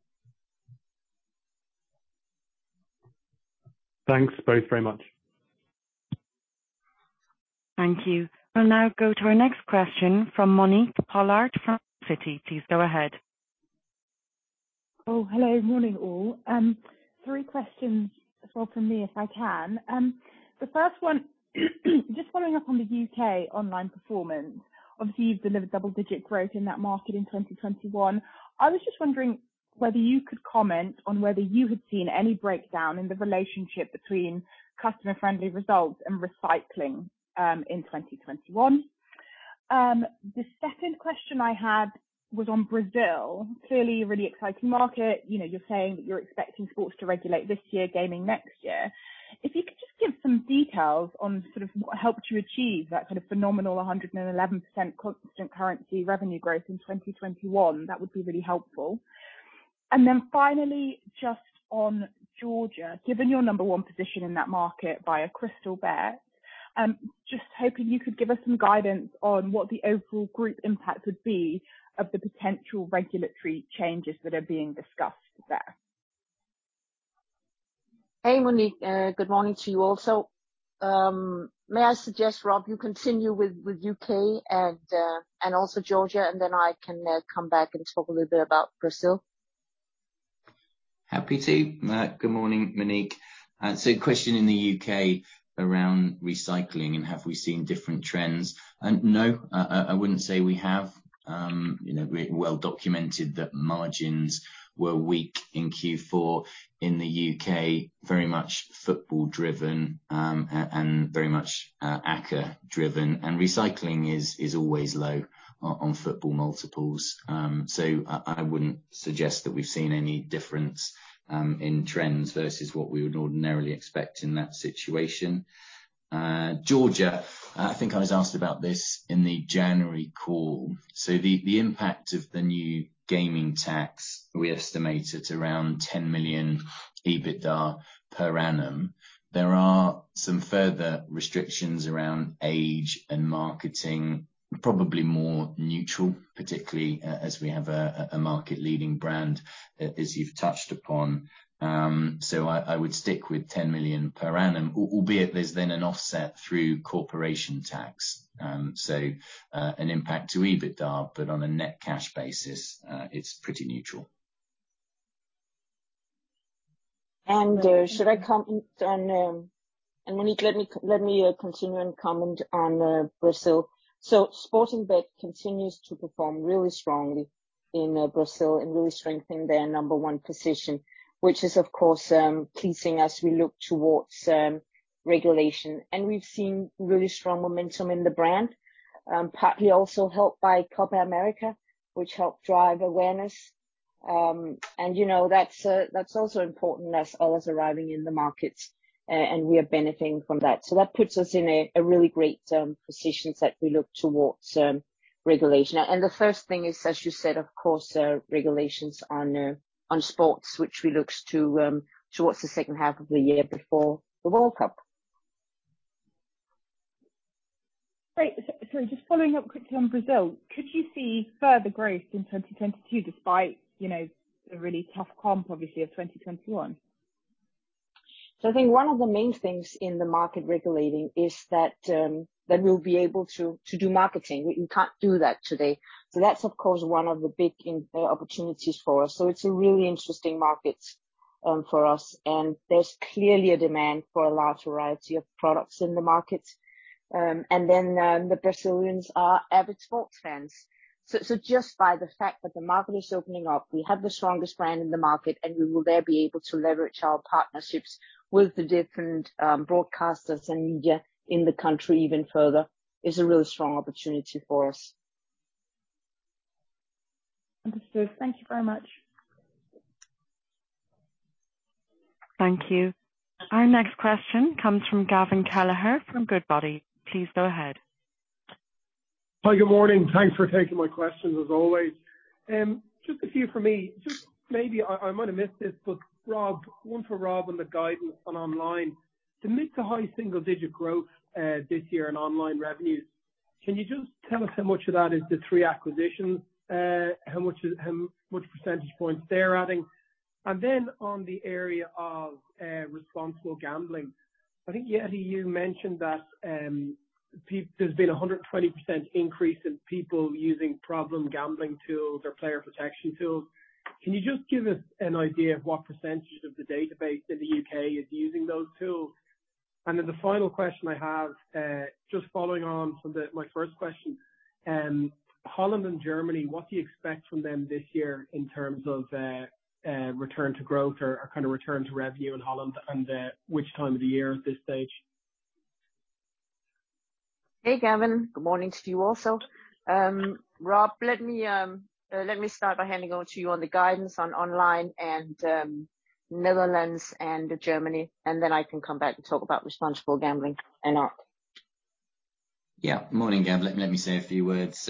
Thanks both very much. Thank you. We'll now go to our next question from Monique Pollard from Citi. Please go ahead. Oh, hello. Morning, all. Three questions as well from me, if I can. The first one, just following up on the U.K. online performance. Obviously, you've delivered double-digit growth in that market in 2021. I was just wondering whether you could comment on whether you had seen any breakdown in the relationship between customer-friendly results and recycling, in 2021. The second question I had was on Brazil. Clearly a really exciting market. You know, you're saying that you're expecting sports to regulate this year, gaming next year. If you could just give some details on sort of what helped you achieve that kind of phenomenal 111% constant currency revenue growth in 2021, that would be really helpful. Finally, just on Georgia. Given your number one position in that market via Crystalbet, just hoping you could give us some guidance on what the overall group impact would be of the potential regulatory changes that are being discussed there? Hey, Monique. Good morning to you also. May I suggest, Rob, you continue with U.K. and also Georgia, and then I can come back and talk a little bit about Brazil. Happy to. Good morning, Monique. Question in the U.K. around recycling and have we seen different trends. No. I wouldn't say we have. You know, well documented that margins were weak in Q4 in the U.K., very much football driven, and very much ACCA driven. Recycling is always low on football multiples. I wouldn't suggest that we've seen any difference in trends versus what we would ordinarily expect in that situation. Georgia, I think I was asked about this in the January call. The impact of the new gaming tax, we estimate it around 10 million EBITDA per annum. There are some further restrictions around age and marketing, probably more neutral, particularly as we have a market leading brand, as you've touched upon. I would stick with 10 million per annum, albeit there's then an offset through corporation tax. An impact to EBITDA, but on a net cash basis, it's pretty neutral. Monique, let me continue and comment on Brazil. Sportingbet continues to perform really strongly in Brazil and really strengthening their number one position, which is, of course, pleasing as we look towards regulation. We've seen really strong momentum in the brand, partly also helped by Copa América, which helped drive awareness. You know, that's also important as others arriving in the markets, and we are benefiting from that. That puts us in a really great position as we look towards regulation. The first thing is, as you said, of course, regulations on sports, which we looks to towards the second half of the year before the World Cup. Great. Just following up quickly on Brazil, could you see further growth in 2022 despite, you know, the really tough comp, obviously, of 2021? I think one of the main things in the market regulation is that we'll be able to do marketing. We can't do that today. That's, of course, one of the big opportunities for us. It's a really interesting market for us. There's clearly a demand for a large variety of products in the market. The Brazilians are avid sports fans. Just by the fact that the market is opening up, we have the strongest brand in the market, and we will therefore be able to leverage our partnerships with the different broadcasters and media in the country even further, is a really strong opportunity for us. Understood. Thank you very much. Thank you. Our next question comes from Gavin Kelleher from Goodbody. Please go ahead. Hi, good morning. Thanks for taking my questions as always. Just a few from me. Just maybe I might have missed this, but Rob, one for Rob on the guidance on online. The mid- to high-single-digit growth this year in online revenues, can you just tell us how much of that is the three acquisitions? How much percentage points they're adding? And then on the area of responsible gambling, I think, Jette, you mentioned that there's been a 120% increase in people using problem gambling tools or player protection tools. Can you just give us an idea of what percentage of the database in the U.K. is using those tools? The final question I have, just following on from my first question, Holland and Germany, what do you expect from them this year in terms of return to growth or kind of return to revenue in Holland and which time of the year at this stage? Hey, Gavin, good morning to you also. Rob, let me start by handing over to you on the guidance on online and Netherlands and Germany, and then I can come back and talk about responsible gambling and up. Morning, Gavin. Let me say a few words.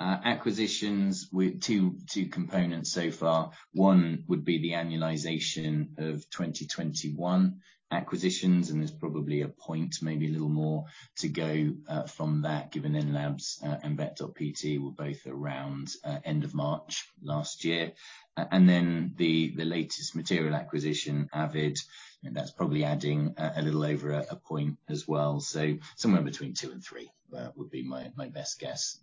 Acquisitions with two components so far. One would be the annualization of 2021 acquisitions, and there's probably a point, maybe a little more to go from that, given Enlabs and Bet.pt were both around end of March last year. And then the latest material acquisition, Avid, and that's probably adding a little over a point as well. Somewhere between two and three would be my best guess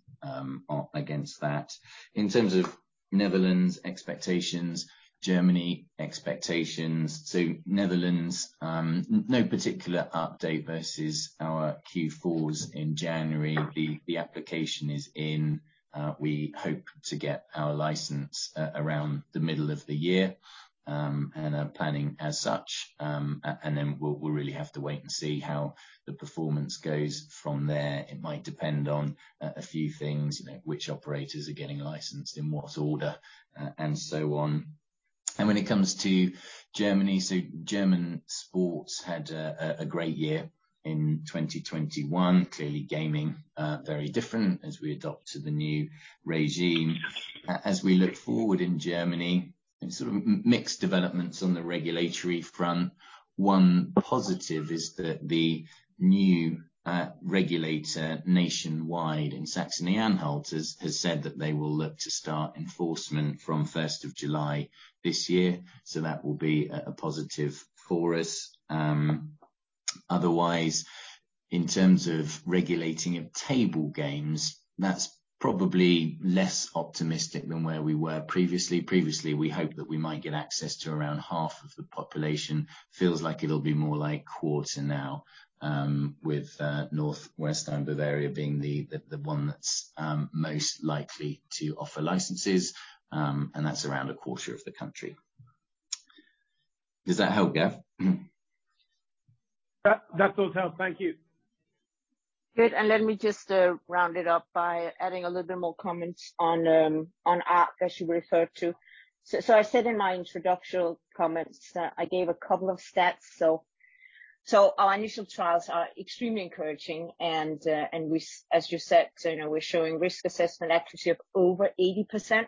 against that. In terms of Netherlands expectations, Germany expectations, Netherlands, no particular update versus our Q4 in January. The application is in. We hope to get our license around the middle of the year and are planning as such. We'll really have to wait and see how the performance goes from there. It might depend on a few things, you know, which operators are getting licensed in what order, and so on. When it comes to Germany, German sports had a great year in 2021. Clearly, gaming very different as we adapt to the new regime. As we look forward in Germany. Sort of mixed developments on the regulatory front. One positive is that the new regulator nationwide in Saxony-Anhalt has said that they will look to start enforcement from July 1 this year, so that will be a positive for us. Otherwise, in terms of regulating of table games, that's probably less optimistic than where we were previously. Previously, we hoped that we might get access to around half of the population. Feels like it'll be more like quarter now, with North Rhine-Westphalia being the one that's most likely to offer licenses, and that's around a quarter of the country. Does that help, Gav? That does help. Thank you. Good. Let me just round it up by adding a little bit more comments on ARC, as you referred to. I said in my introductory comments that I gave a couple of stats. Our initial trials are extremely encouraging and, as you said, now we're showing risk assessment accuracy of over 80%,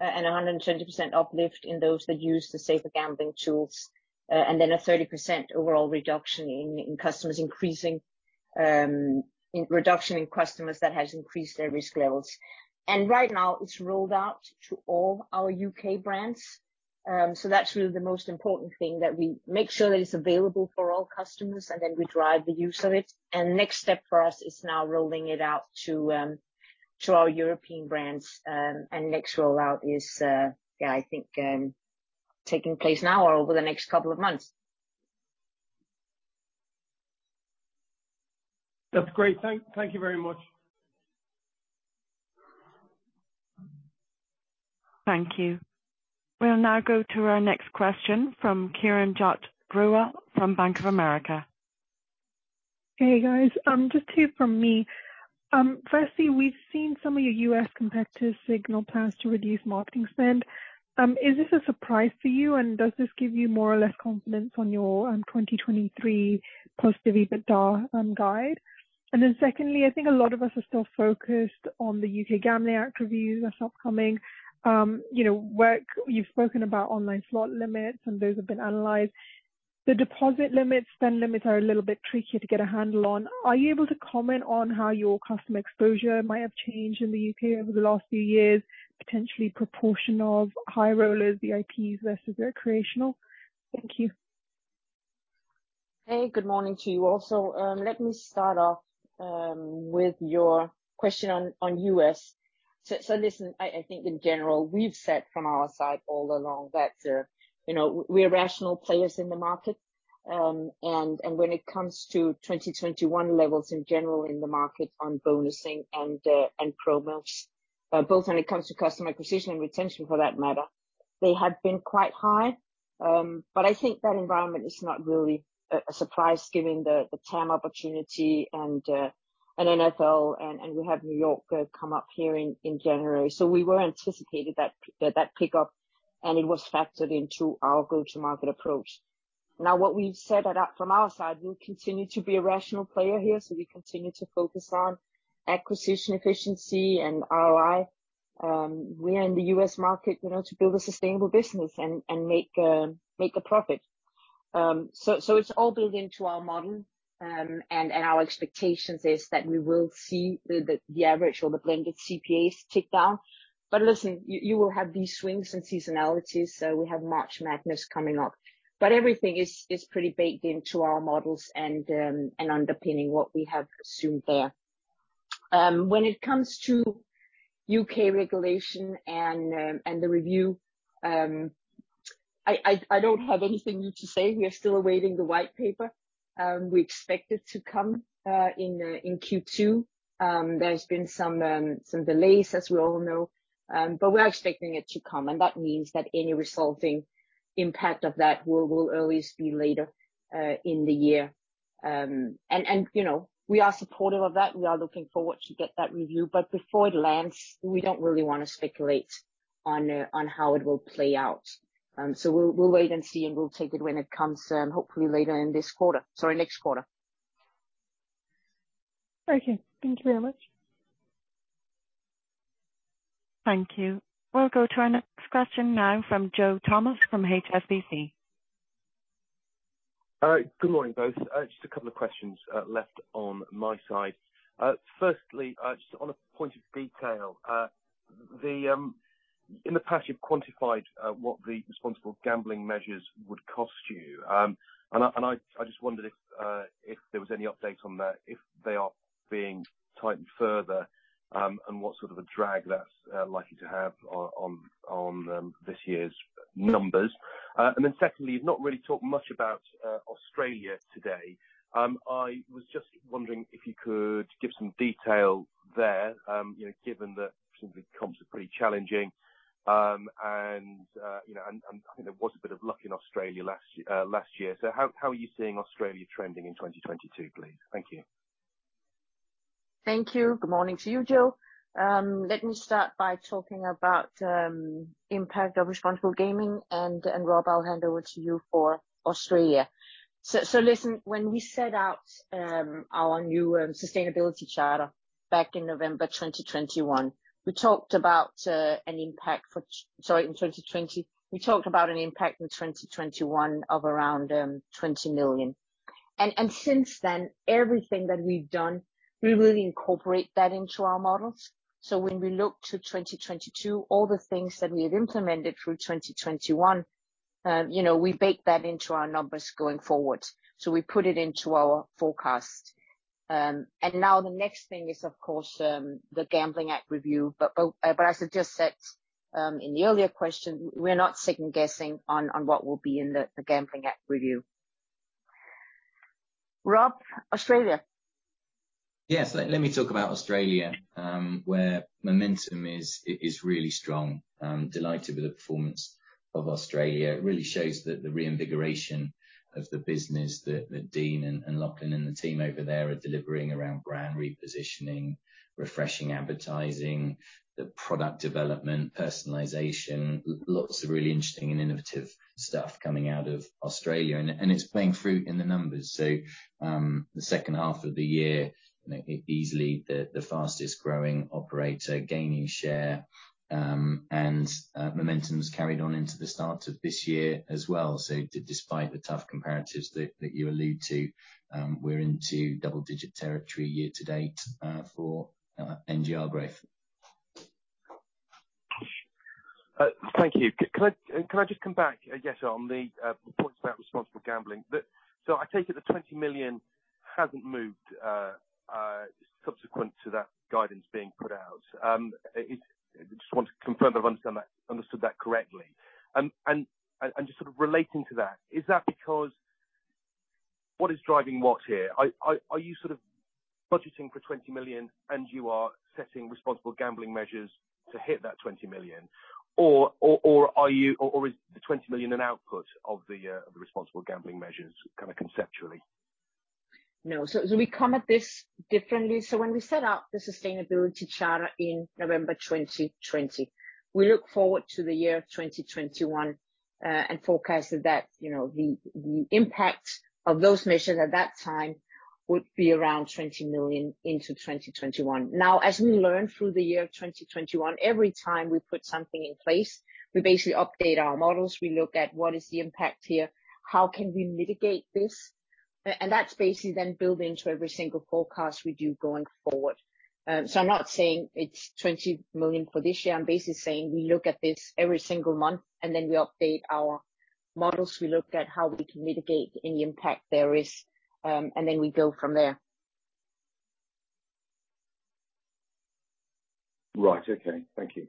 and a 120% uplift in those that use the safer gambling tools. And then a 30% overall reduction in customers increasing, in reduction in customers that has increased their risk levels. Right now it's rolled out to all our U.K. brands. That's really the most important thing, that we make sure that it's available for all customers, and then we drive the use of it. Next step for us is now rolling it out to our European brands. Next rollout is, yeah, I think, taking place now or over the next couple of months. That's great. Thank you very much. Thank you. We'll now go to our next question from Kiranjot Grewal from Bank of America. Hey, guys. Just two from me. Firstly, we've seen some of your U.S. competitors signal plans to reduce marketing spend. Is this a surprise for you, and does this give you more or less confidence on your 2023 positive EBITDA guide? Secondly, I think a lot of us are still focused on the U.K. Gambling Act review that's upcoming. You know, where you've spoken about online slot limits, and those have been analyzed. The deposit limits, spend limits are a little bit trickier to get a handle on. Are you able to comment on how your customer exposure might have changed in the U.K. over the last few years, potentially proportion of high rollers, VIPs versus recreational? Thank you. Hey, good morning to you also. Let me start off with your question on U.S. Listen, I think in general, we've said from our side all along that, you know, we're rational players in the market. When it comes to 2021 levels in general in the market on bonusing and promos, both when it comes to customer acquisition and retention for that matter, they have been quite high. I think that environment is not really a surprise given the TAM opportunity and NFL and we have New York come up here in January. We were anticipating that pickup, and it was factored into our go-to-market approach. Now, what we've said at that from our side, we'll continue to be a rational player here, so we continue to focus on acquisition efficiency and ROI. We are in the U.S. market, you know, to build a sustainable business and make a profit. It's all built into our model. Our expectations is that we will see the average or the blended CPAs tick down. Listen, you will have these swings and seasonalities, so we have March Madness coming up. Everything is pretty baked into our models and underpinning what we have assumed there. When it comes to U.K. regulation and the review, I don't have anything new to say. We are still awaiting the white paper. We expect it to come in Q2. There's been some delays, as we all know. We're expecting it to come, and that means that any resulting impact of that will always be later in the year. You know, we are supportive of that. We are looking forward to get that review. Before it lands, we don't really wanna speculate on how it will play out. We'll wait and see, and we'll take it when it comes, hopefully later in this quarter. Sorry, next quarter. Okay. Thank you very much. Thank you. We'll go to our next question now from Joe Thomas from HSBC. All right. Good morning, both. Just a couple of questions left on my side. Firstly, just on a point of detail, in the past you've quantified what the responsible gambling measures would cost you. I just wondered if there was any update on that, if they are being tightened further, and what sort of a drag that's likely to have on this year's numbers. Secondly, you've not really talked much about Australia today. I was just wondering if you could give some detail there, you know, given that some of the comps are pretty challenging. You know, I think there was a bit of luck in Australia last year. How are you seeing Australia trending in 2022, please? Thank you. Thank you. Good morning to you, Joe. Let me start by talking about impact of responsible gaming, and Rob, I'll hand over to you for Australia. Listen, when we set out our new sustainability charter back in November 2020, we talked about an impact in 2021 of around 20 million. Since then, everything that we've done, we really incorporate that into our models. When we look to 2022, all the things that we have implemented through 2021, you know, we bake that into our numbers going forward. We put it into our forecast. Now the next thing is, of course, the Gambling Act review. As I just said, in the earlier question, we're not second-guessing on what will be in the Gambling Act review. Rob, Australia. Yes. Let me talk about Australia, where momentum is really strong. Delighted with the performance of Australia. It really shows that the reinvigoration of the business that Dean and Lachlan and the team over there are delivering around brand repositioning, refreshing advertising, the product development, personalization, lots of really interesting and innovative stuff coming out of Australia, and it's bearing fruit in the numbers. The second half of the year, you know, easily the fastest growing operator gaining share, and momentum's carried on into the start of this year as well. Despite the tough comparatives that you allude to, we're into double-digit territory year to date for NGR growth. Thank you. Can I just come back on the points about responsible gambling? I take it the 20 million hasn't moved subsequent to that guidance being put out. I just want to confirm that I understood that correctly. Just sort of relating to that, is that because what is driving what here? Are you sort of budgeting for 20 million and you are setting responsible gambling measures to hit that 20 million? Or is the 20 million an output of the responsible gambling measures kinda conceptually? No. We come at this differently. When we set out the sustainability charter in November 2020, we look forward to the year 2021 and forecasted that the impact of those measures at that time would be around 20 million into 2021. Now, as we learn through the year of 2021, every time we put something in place, we basically update our models. We look at what is the impact here, how can we mitigate this. And that's basically then built into every single forecast we do going forward. I'm not saying it's 20 million for this year. I'm basically saying we look at this every single month, and then we update our models. We look at how we can mitigate any impact there is, and then we go from there. Right. Okay. Thank you.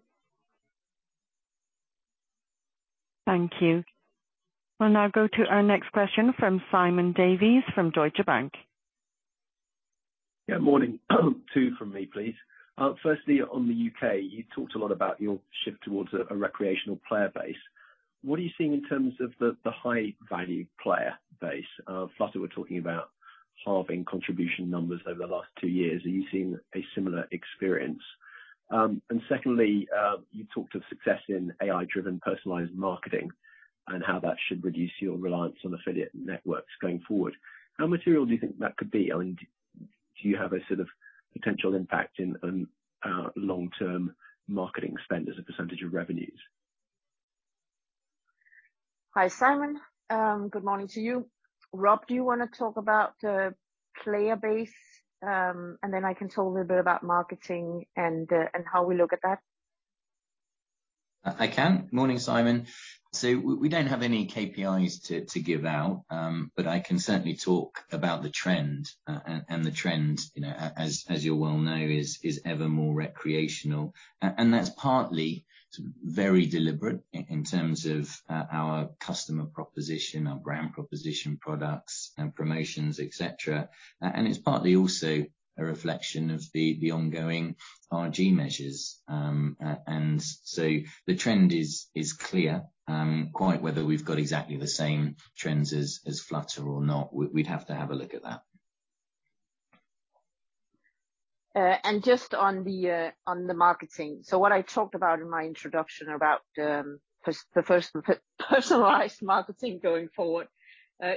Thank you. We'll now go to our next question from Simon Davies from Deutsche Bank. Morning. Two from me, please. Firstly, on the U.K., you talked a lot about your shift towards a recreational player base. What are you seeing in terms of the high value player base? Flutter were talking about halving contribution numbers over the last two years. Are you seeing a similar experience? Secondly, you talked of success in AI-driven personalized marketing and how that should reduce your reliance on affiliate networks going forward. How material do you think that could be? I mean, do you have a sort of potential impact in long-term marketing spend as a percentage of revenues? Hi, Simon. Good morning to you. Rob, do you wanna talk about the player base, and then I can talk a little bit about marketing and how we look at that. I can. Morning, Simon. We don't have any KPIs to give out, but I can certainly talk about the trend. The trend, you know, as you well know, is ever more recreational. That's partly very deliberate in terms of our customer proposition, our brand proposition, products and promotions, et cetera. It's partly also a reflection of the ongoing RG measures. The trend is clear. Quite whether we've got exactly the same trends as Flutter or not, we'd have to have a look at that. Just on the marketing. What I talked about in my introduction about the personalized marketing going forward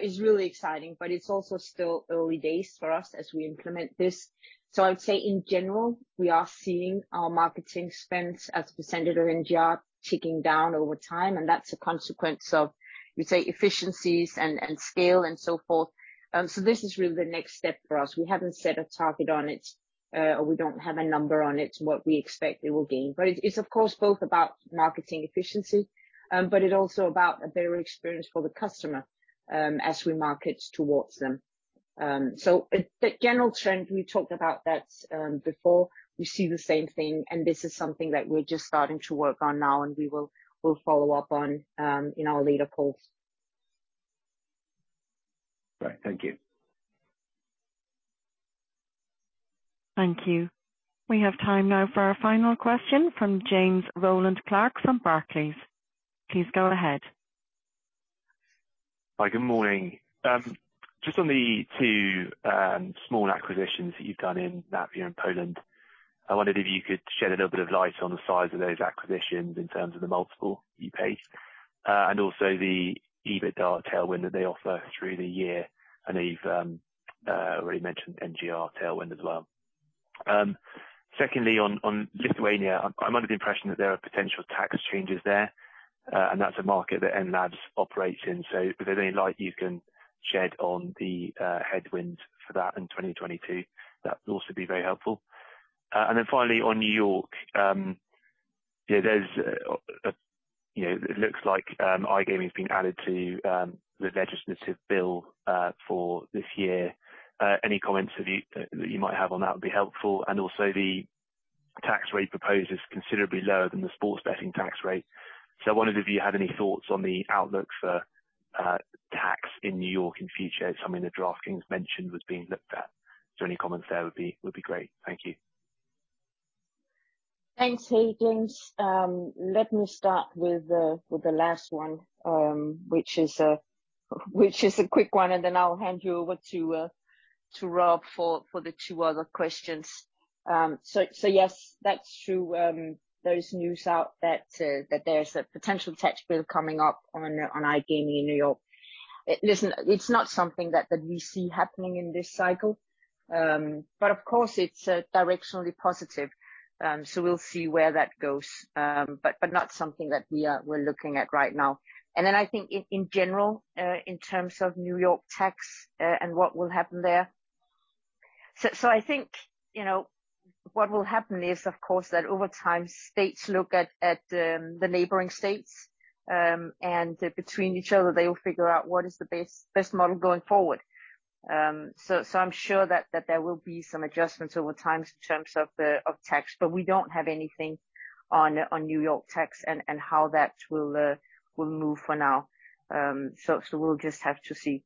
is really exciting, but it's also still early days for us as we implement this. I would say in general, we are seeing our marketing spend as a percentage of NGR ticking down over time, and that's a consequence of, we say, efficiencies and scale and so forth. This is really the next step for us. We haven't set a target on it, or we don't have a number on it to what we expect it will gain. It's of course both about marketing efficiency, but it's also about a better experience for the customer as we market towards them. The general trend, we talked about that before. We see the same thing, and this is something that we're just starting to work on now and we will follow up on in our later calls. Great. Thank you. Thank you. We have time now for our final question from James Rowland Clark from Barclays. Please go ahead. Hi, good morning. Just on the two small acquisitions that you've done in Latvia and Poland. I wondered if you could shed a little bit of light on the size of those acquisitions in terms of the multiple you paid, and also the EBITDA tailwind that they offer through the year. I know you've already mentioned NGR tailwind as well. Secondly on Lithuania, I'm under the impression that there are potential tax changes there, and that's a market that Enlabs operates in. If there's any light you can shed on the headwinds for that in 2022, that would also be very helpful. And then finally, on New York, you know, there's you know, it looks like iGaming has been added to the legislative bill for this year. Any comments that you might have on that would be helpful. Also the tax rate proposed is considerably lower than the sports betting tax rate. I wondered if you had any thoughts on the outlook for tax in New York in future. Something that DraftKings mentioned was being looked at. Any comments there would be great. Thank you. Thanks, James. Let me start with the last one, which is a quick one, and then I'll hand you over to Rob for the two other questions. Yes, that's true. There is news out that there's a potential tax bill coming up on iGaming in New York. Listen, it's not something that we see happening in this cycle. Of course it's directionally positive. We'll see where that goes. Not something that we're looking at right now. I think in general, in terms of New York tax, and what will happen there. I think, you know, what will happen is, of course, that over time states look at the neighboring states and between each other, they will figure out what is the best model going forward. I'm sure that there will be some adjustments over time in terms of the tax, but we don't have anything on New York tax and how that will move for now. We'll just have to see.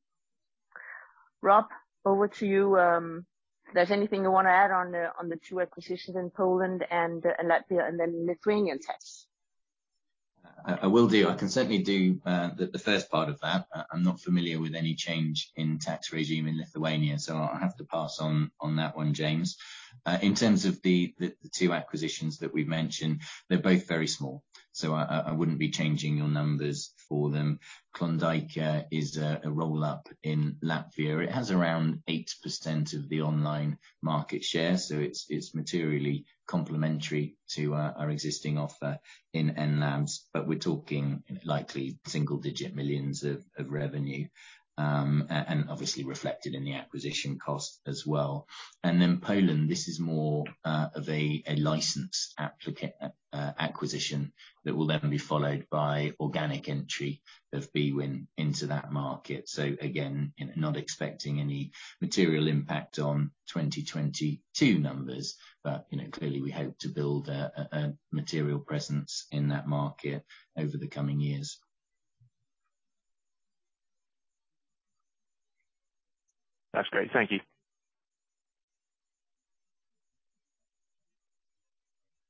Rob, over to you. If there's anything you wanna add on the two acquisitions in Poland and Latvia, and then Lithuanian tax. I will do. I can certainly do the first part of that. I'm not familiar with any change in tax regime in Lithuania, so I'll have to pass on that one, James. In terms of the two acquisitions that we've mentioned, they're both very small, so I wouldn't be changing your numbers for them. Klondaika is a roll-up in Latvia. It has around 8% of the online market share, so it's materially complementary to our existing offer in Enlabs, but we're talking likely single-digit millions of revenue. Obviously reflected in the acquisition cost as well. Then Poland, this is more of a license acquisition that will then be followed by organic entry of bwin into that market. Again, not expecting any material impact on 2022 numbers. you know, clearly we hope to build a material presence in that market over the coming years. That's great. Thank you.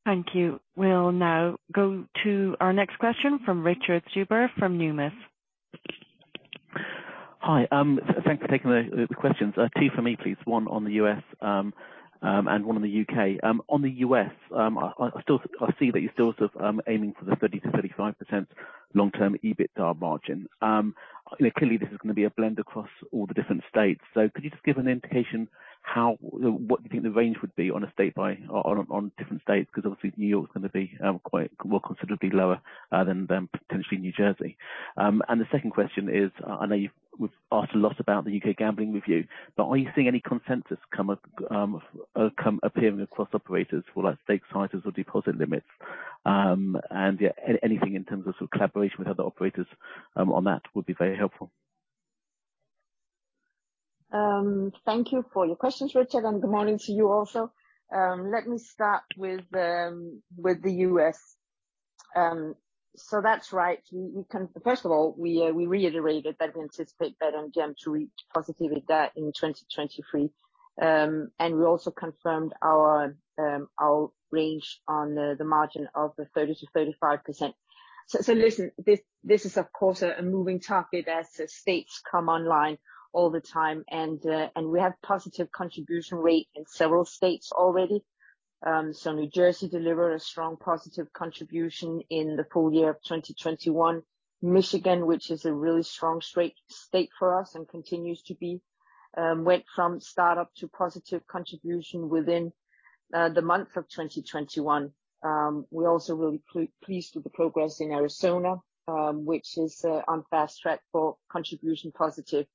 Thank you. We'll now go to our next question from Richard Stuber from Numis. Hi. Thanks for taking the questions. Two for me, please. One on the U.S., and one on the U.K. On the U.S., I still see that you're still sort of aiming for the 30%-35% long-term EBITDA margin. You know, clearly this is gonna be a blend across all the different states. Could you just give an indication what you think the range would be on a state-by-state on different states? 'Cause obviously New York is gonna be quite, well, considerably lower than potentially New Jersey. The second question is, I know we've asked a lot about the U.K. gambling review, but are you seeing any consensus appearing across operators for like stake sizes or deposit limits? Yeah, anything in terms of sort of collaboration with other operators on that would be very helpful. Thank you for your questions, Richard, and good morning to you also. Let me start with the U.S. That's right. First of all, we reiterated that we anticipate that MGM to reach positive EBITDA in 2023. We also confirmed our range on the margin of 30%-35%. Listen, this is of course a moving target as the states come online all the time. We have positive contribution rate in several states already. New Jersey delivered a strong positive contribution in the full year of 2021. Michigan, which is a really strong state for us and continues to be, went from startup to positive contribution within the month of 2021. We're also really pleased with the progress in Arizona, which is on fast track for contribution positive.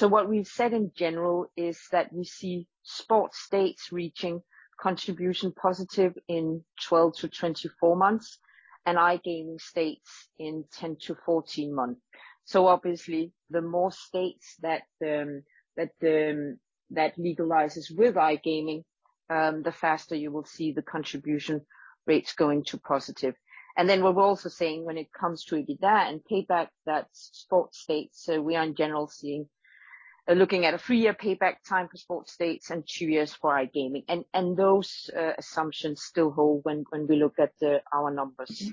What we've said in general is that we see sports states reaching contribution positive in 12-24 months, and iGaming states in 10-14 months. Obviously the more states that legalizes with iGaming, the faster you will see the contribution rates going to positive. What we're also saying when it comes to EBITDA and payback, that's sports states. We are in general looking at a three-year payback time for sports states and two years for iGaming. Those assumptions still hold when we look at our numbers.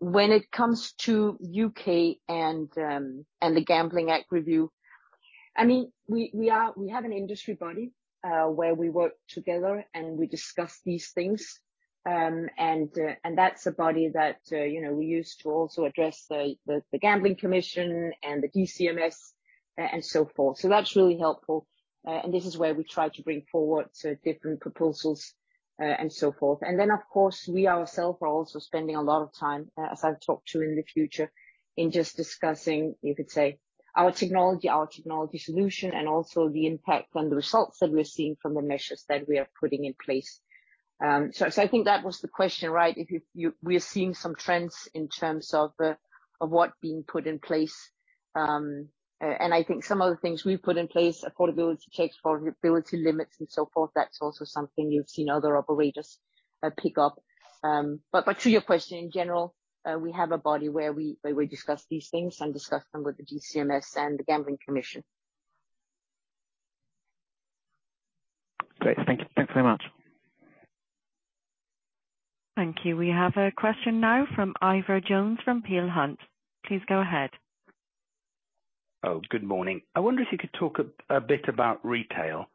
When it comes to U.K. and the Gambling Act review, I mean, we have an industry body where we work together, and we discuss these things. That's a body that you know we use to also address the Gambling Commission and the DCMS and so forth. That's really helpful, and this is where we try to bring forward different proposals and so forth. Of course, we ourselves are also spending a lot of time, as I'll talk about in the future, in just discussing, you could say, our technology solution, and also the impact on the results that we're seeing from the measures that we are putting in place. I think that was the question, right? If we're seeing some trends in terms of what's being put in place. I think some of the things we've put in place, affordability checks, affordability limits and so forth, that's also something you've seen other operators pick up. To your question, in general, we have a body where we discuss these things and discuss them with the DCMS and the Gambling Commission. Great. Thank you. Thanks very much. Thank you. We have a question now from Ivor Jones from Peel Hunt. Please go ahead. Good morning. I wonder if you could talk a bit about retail.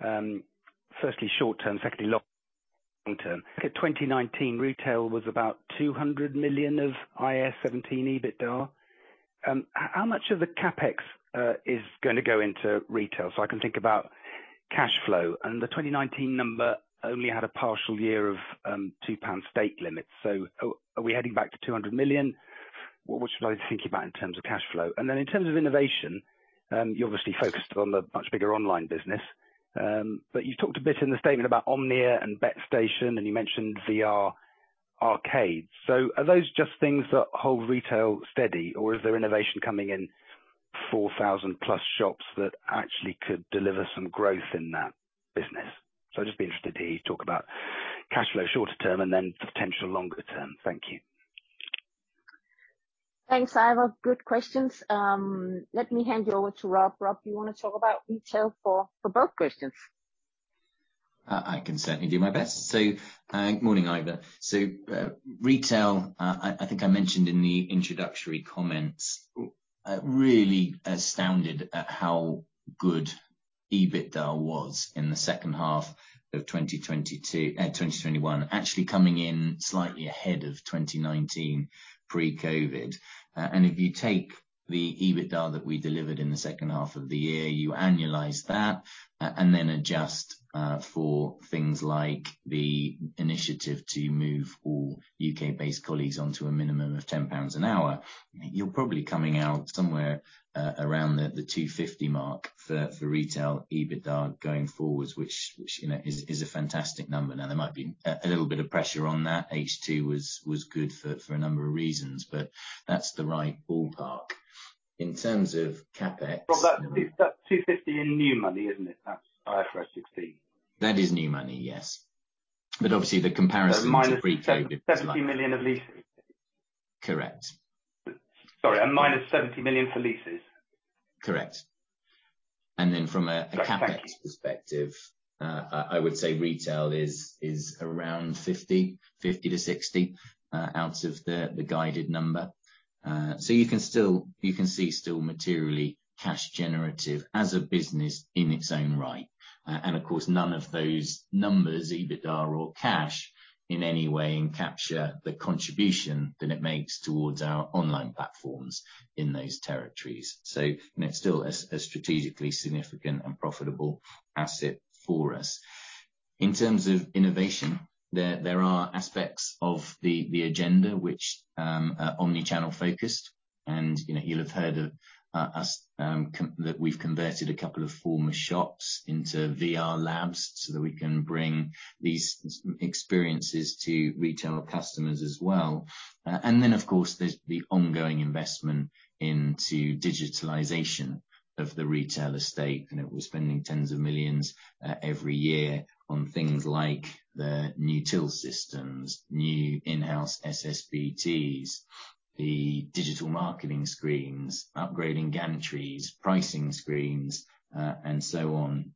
Firstly short-term, secondly long-term. Okay, 2019 retail was about 200 million of IAS 17 EBITDA. How much of the CapEx is gonna go into retail? I can think about cash flow. The 2019 number only had a partial year of 2 pound stake limits. Are we heading back to 200 million? What should I be thinking about in terms of cash flow? Then in terms of innovation, you obviously focused on the much bigger online business. You talked a bit in the statement about Omnia and BetStation, and you mentioned VR arcades. Are those just things that hold retail steady, or is there innovation coming in 4,000+ shops that actually could deliver some growth in that business? I'd just be interested to hear you talk about cash flow shorter term and then potential longer term. Thank you. Thanks, Ivo. Good questions. Let me hand you over to Rob. Rob, do you wanna talk about retail for both questions? I can certainly do my best. Morning, Ivo. Retail, I think I mentioned in the introductory comments, really astounded at how good EBITDA was in the second half of 2021, actually coming in slightly ahead of 2019 pre-COVID. If you take the EBITDA that we delivered in the second half of the year, you annualize that, and then adjust for things like the initiative to move all U.K.-based colleagues onto a minimum of 10 pounds an hour, you're probably coming out somewhere around the 250 million mark for retail EBITDA going forwards, which, you know, is a fantastic number. Now, there might be a little bit of pressure on that. H2 was good for a number of reasons, but that's the right ballpark. In terms of CapEx. Rob, that's 250 in new money, isn't it? That's IFRS 16. That is new money, yes. Obviously the comparison to pre-COVID. Minus 770 million of leases. Correct. Sorry, minus 70 million for leases. Correct. From a CapEx perspective. That's CapEx. I would say retail is around 50%-60% out of the guided number. You can see it's still materially cash generative as a business in its own right. Of course, none of those numbers, EBITDA or cash, in any way encapsulate the contribution that it makes towards our online platforms in those territories. You know, it's still a strategically significant and profitable asset for us. In terms of innovation, there are aspects of the agenda which are omni-channel focused. You know, you'll have heard of us that we've converted a couple of former shops into VR labs so that we can bring these experiences to retail customers as well. Of course, there's the ongoing investment into digitalization of the retail estate. You know, we're spending tens of millions GBP every year on things like the new till systems, new in-house SSBTs, the digital marketing screens, upgrading gantries, pricing screens, and so on,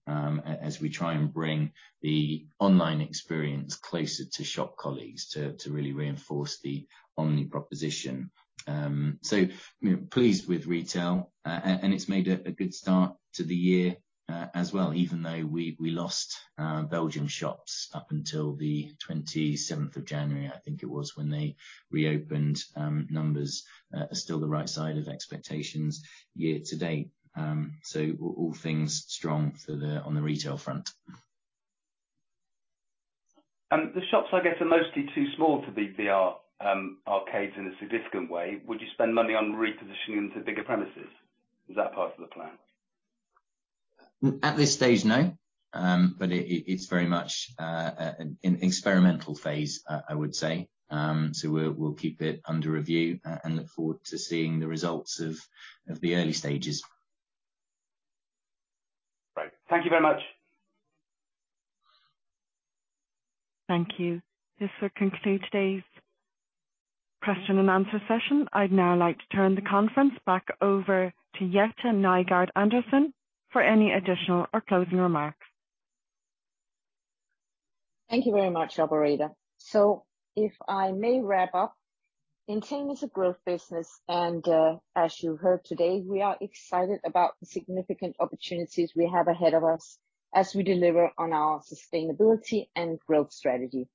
as we try and bring the online experience closer to shop colleagues to really reinforce the omni proposition. Pleased with retail, and it's made a good start to the year as well. Even though we lost Belgian shops up until the 27th of January, I think it was, when they reopened, numbers are still the right side of expectations year to date. All things strong on the retail front. The shops, I guess, are mostly too small to be VR arcades in a significant way. Would you spend money on repositioning them to bigger premises? Is that part of the plan? At this stage, no. It's very much in experimental phase, I would say. We'll keep it under review and look forward to seeing the results of the early stages. Right. Thank you very much. Thank you. This will conclude today's question and answer session. I'd now like to turn the conference back over to Jette Nygaard-Andersen for any additional or closing remarks. Thank you very much, Operator. If I may wrap up, Entain is a growth business, and as you heard today, we are excited about the significant opportunities we have ahead of us as we deliver on our sustainability and growth strategy.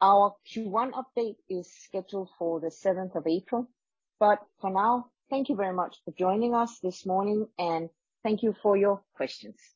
Our Q1 update is scheduled for the seventh of April, but for now, thank you very much for joining us this morning, and thank you for your questions.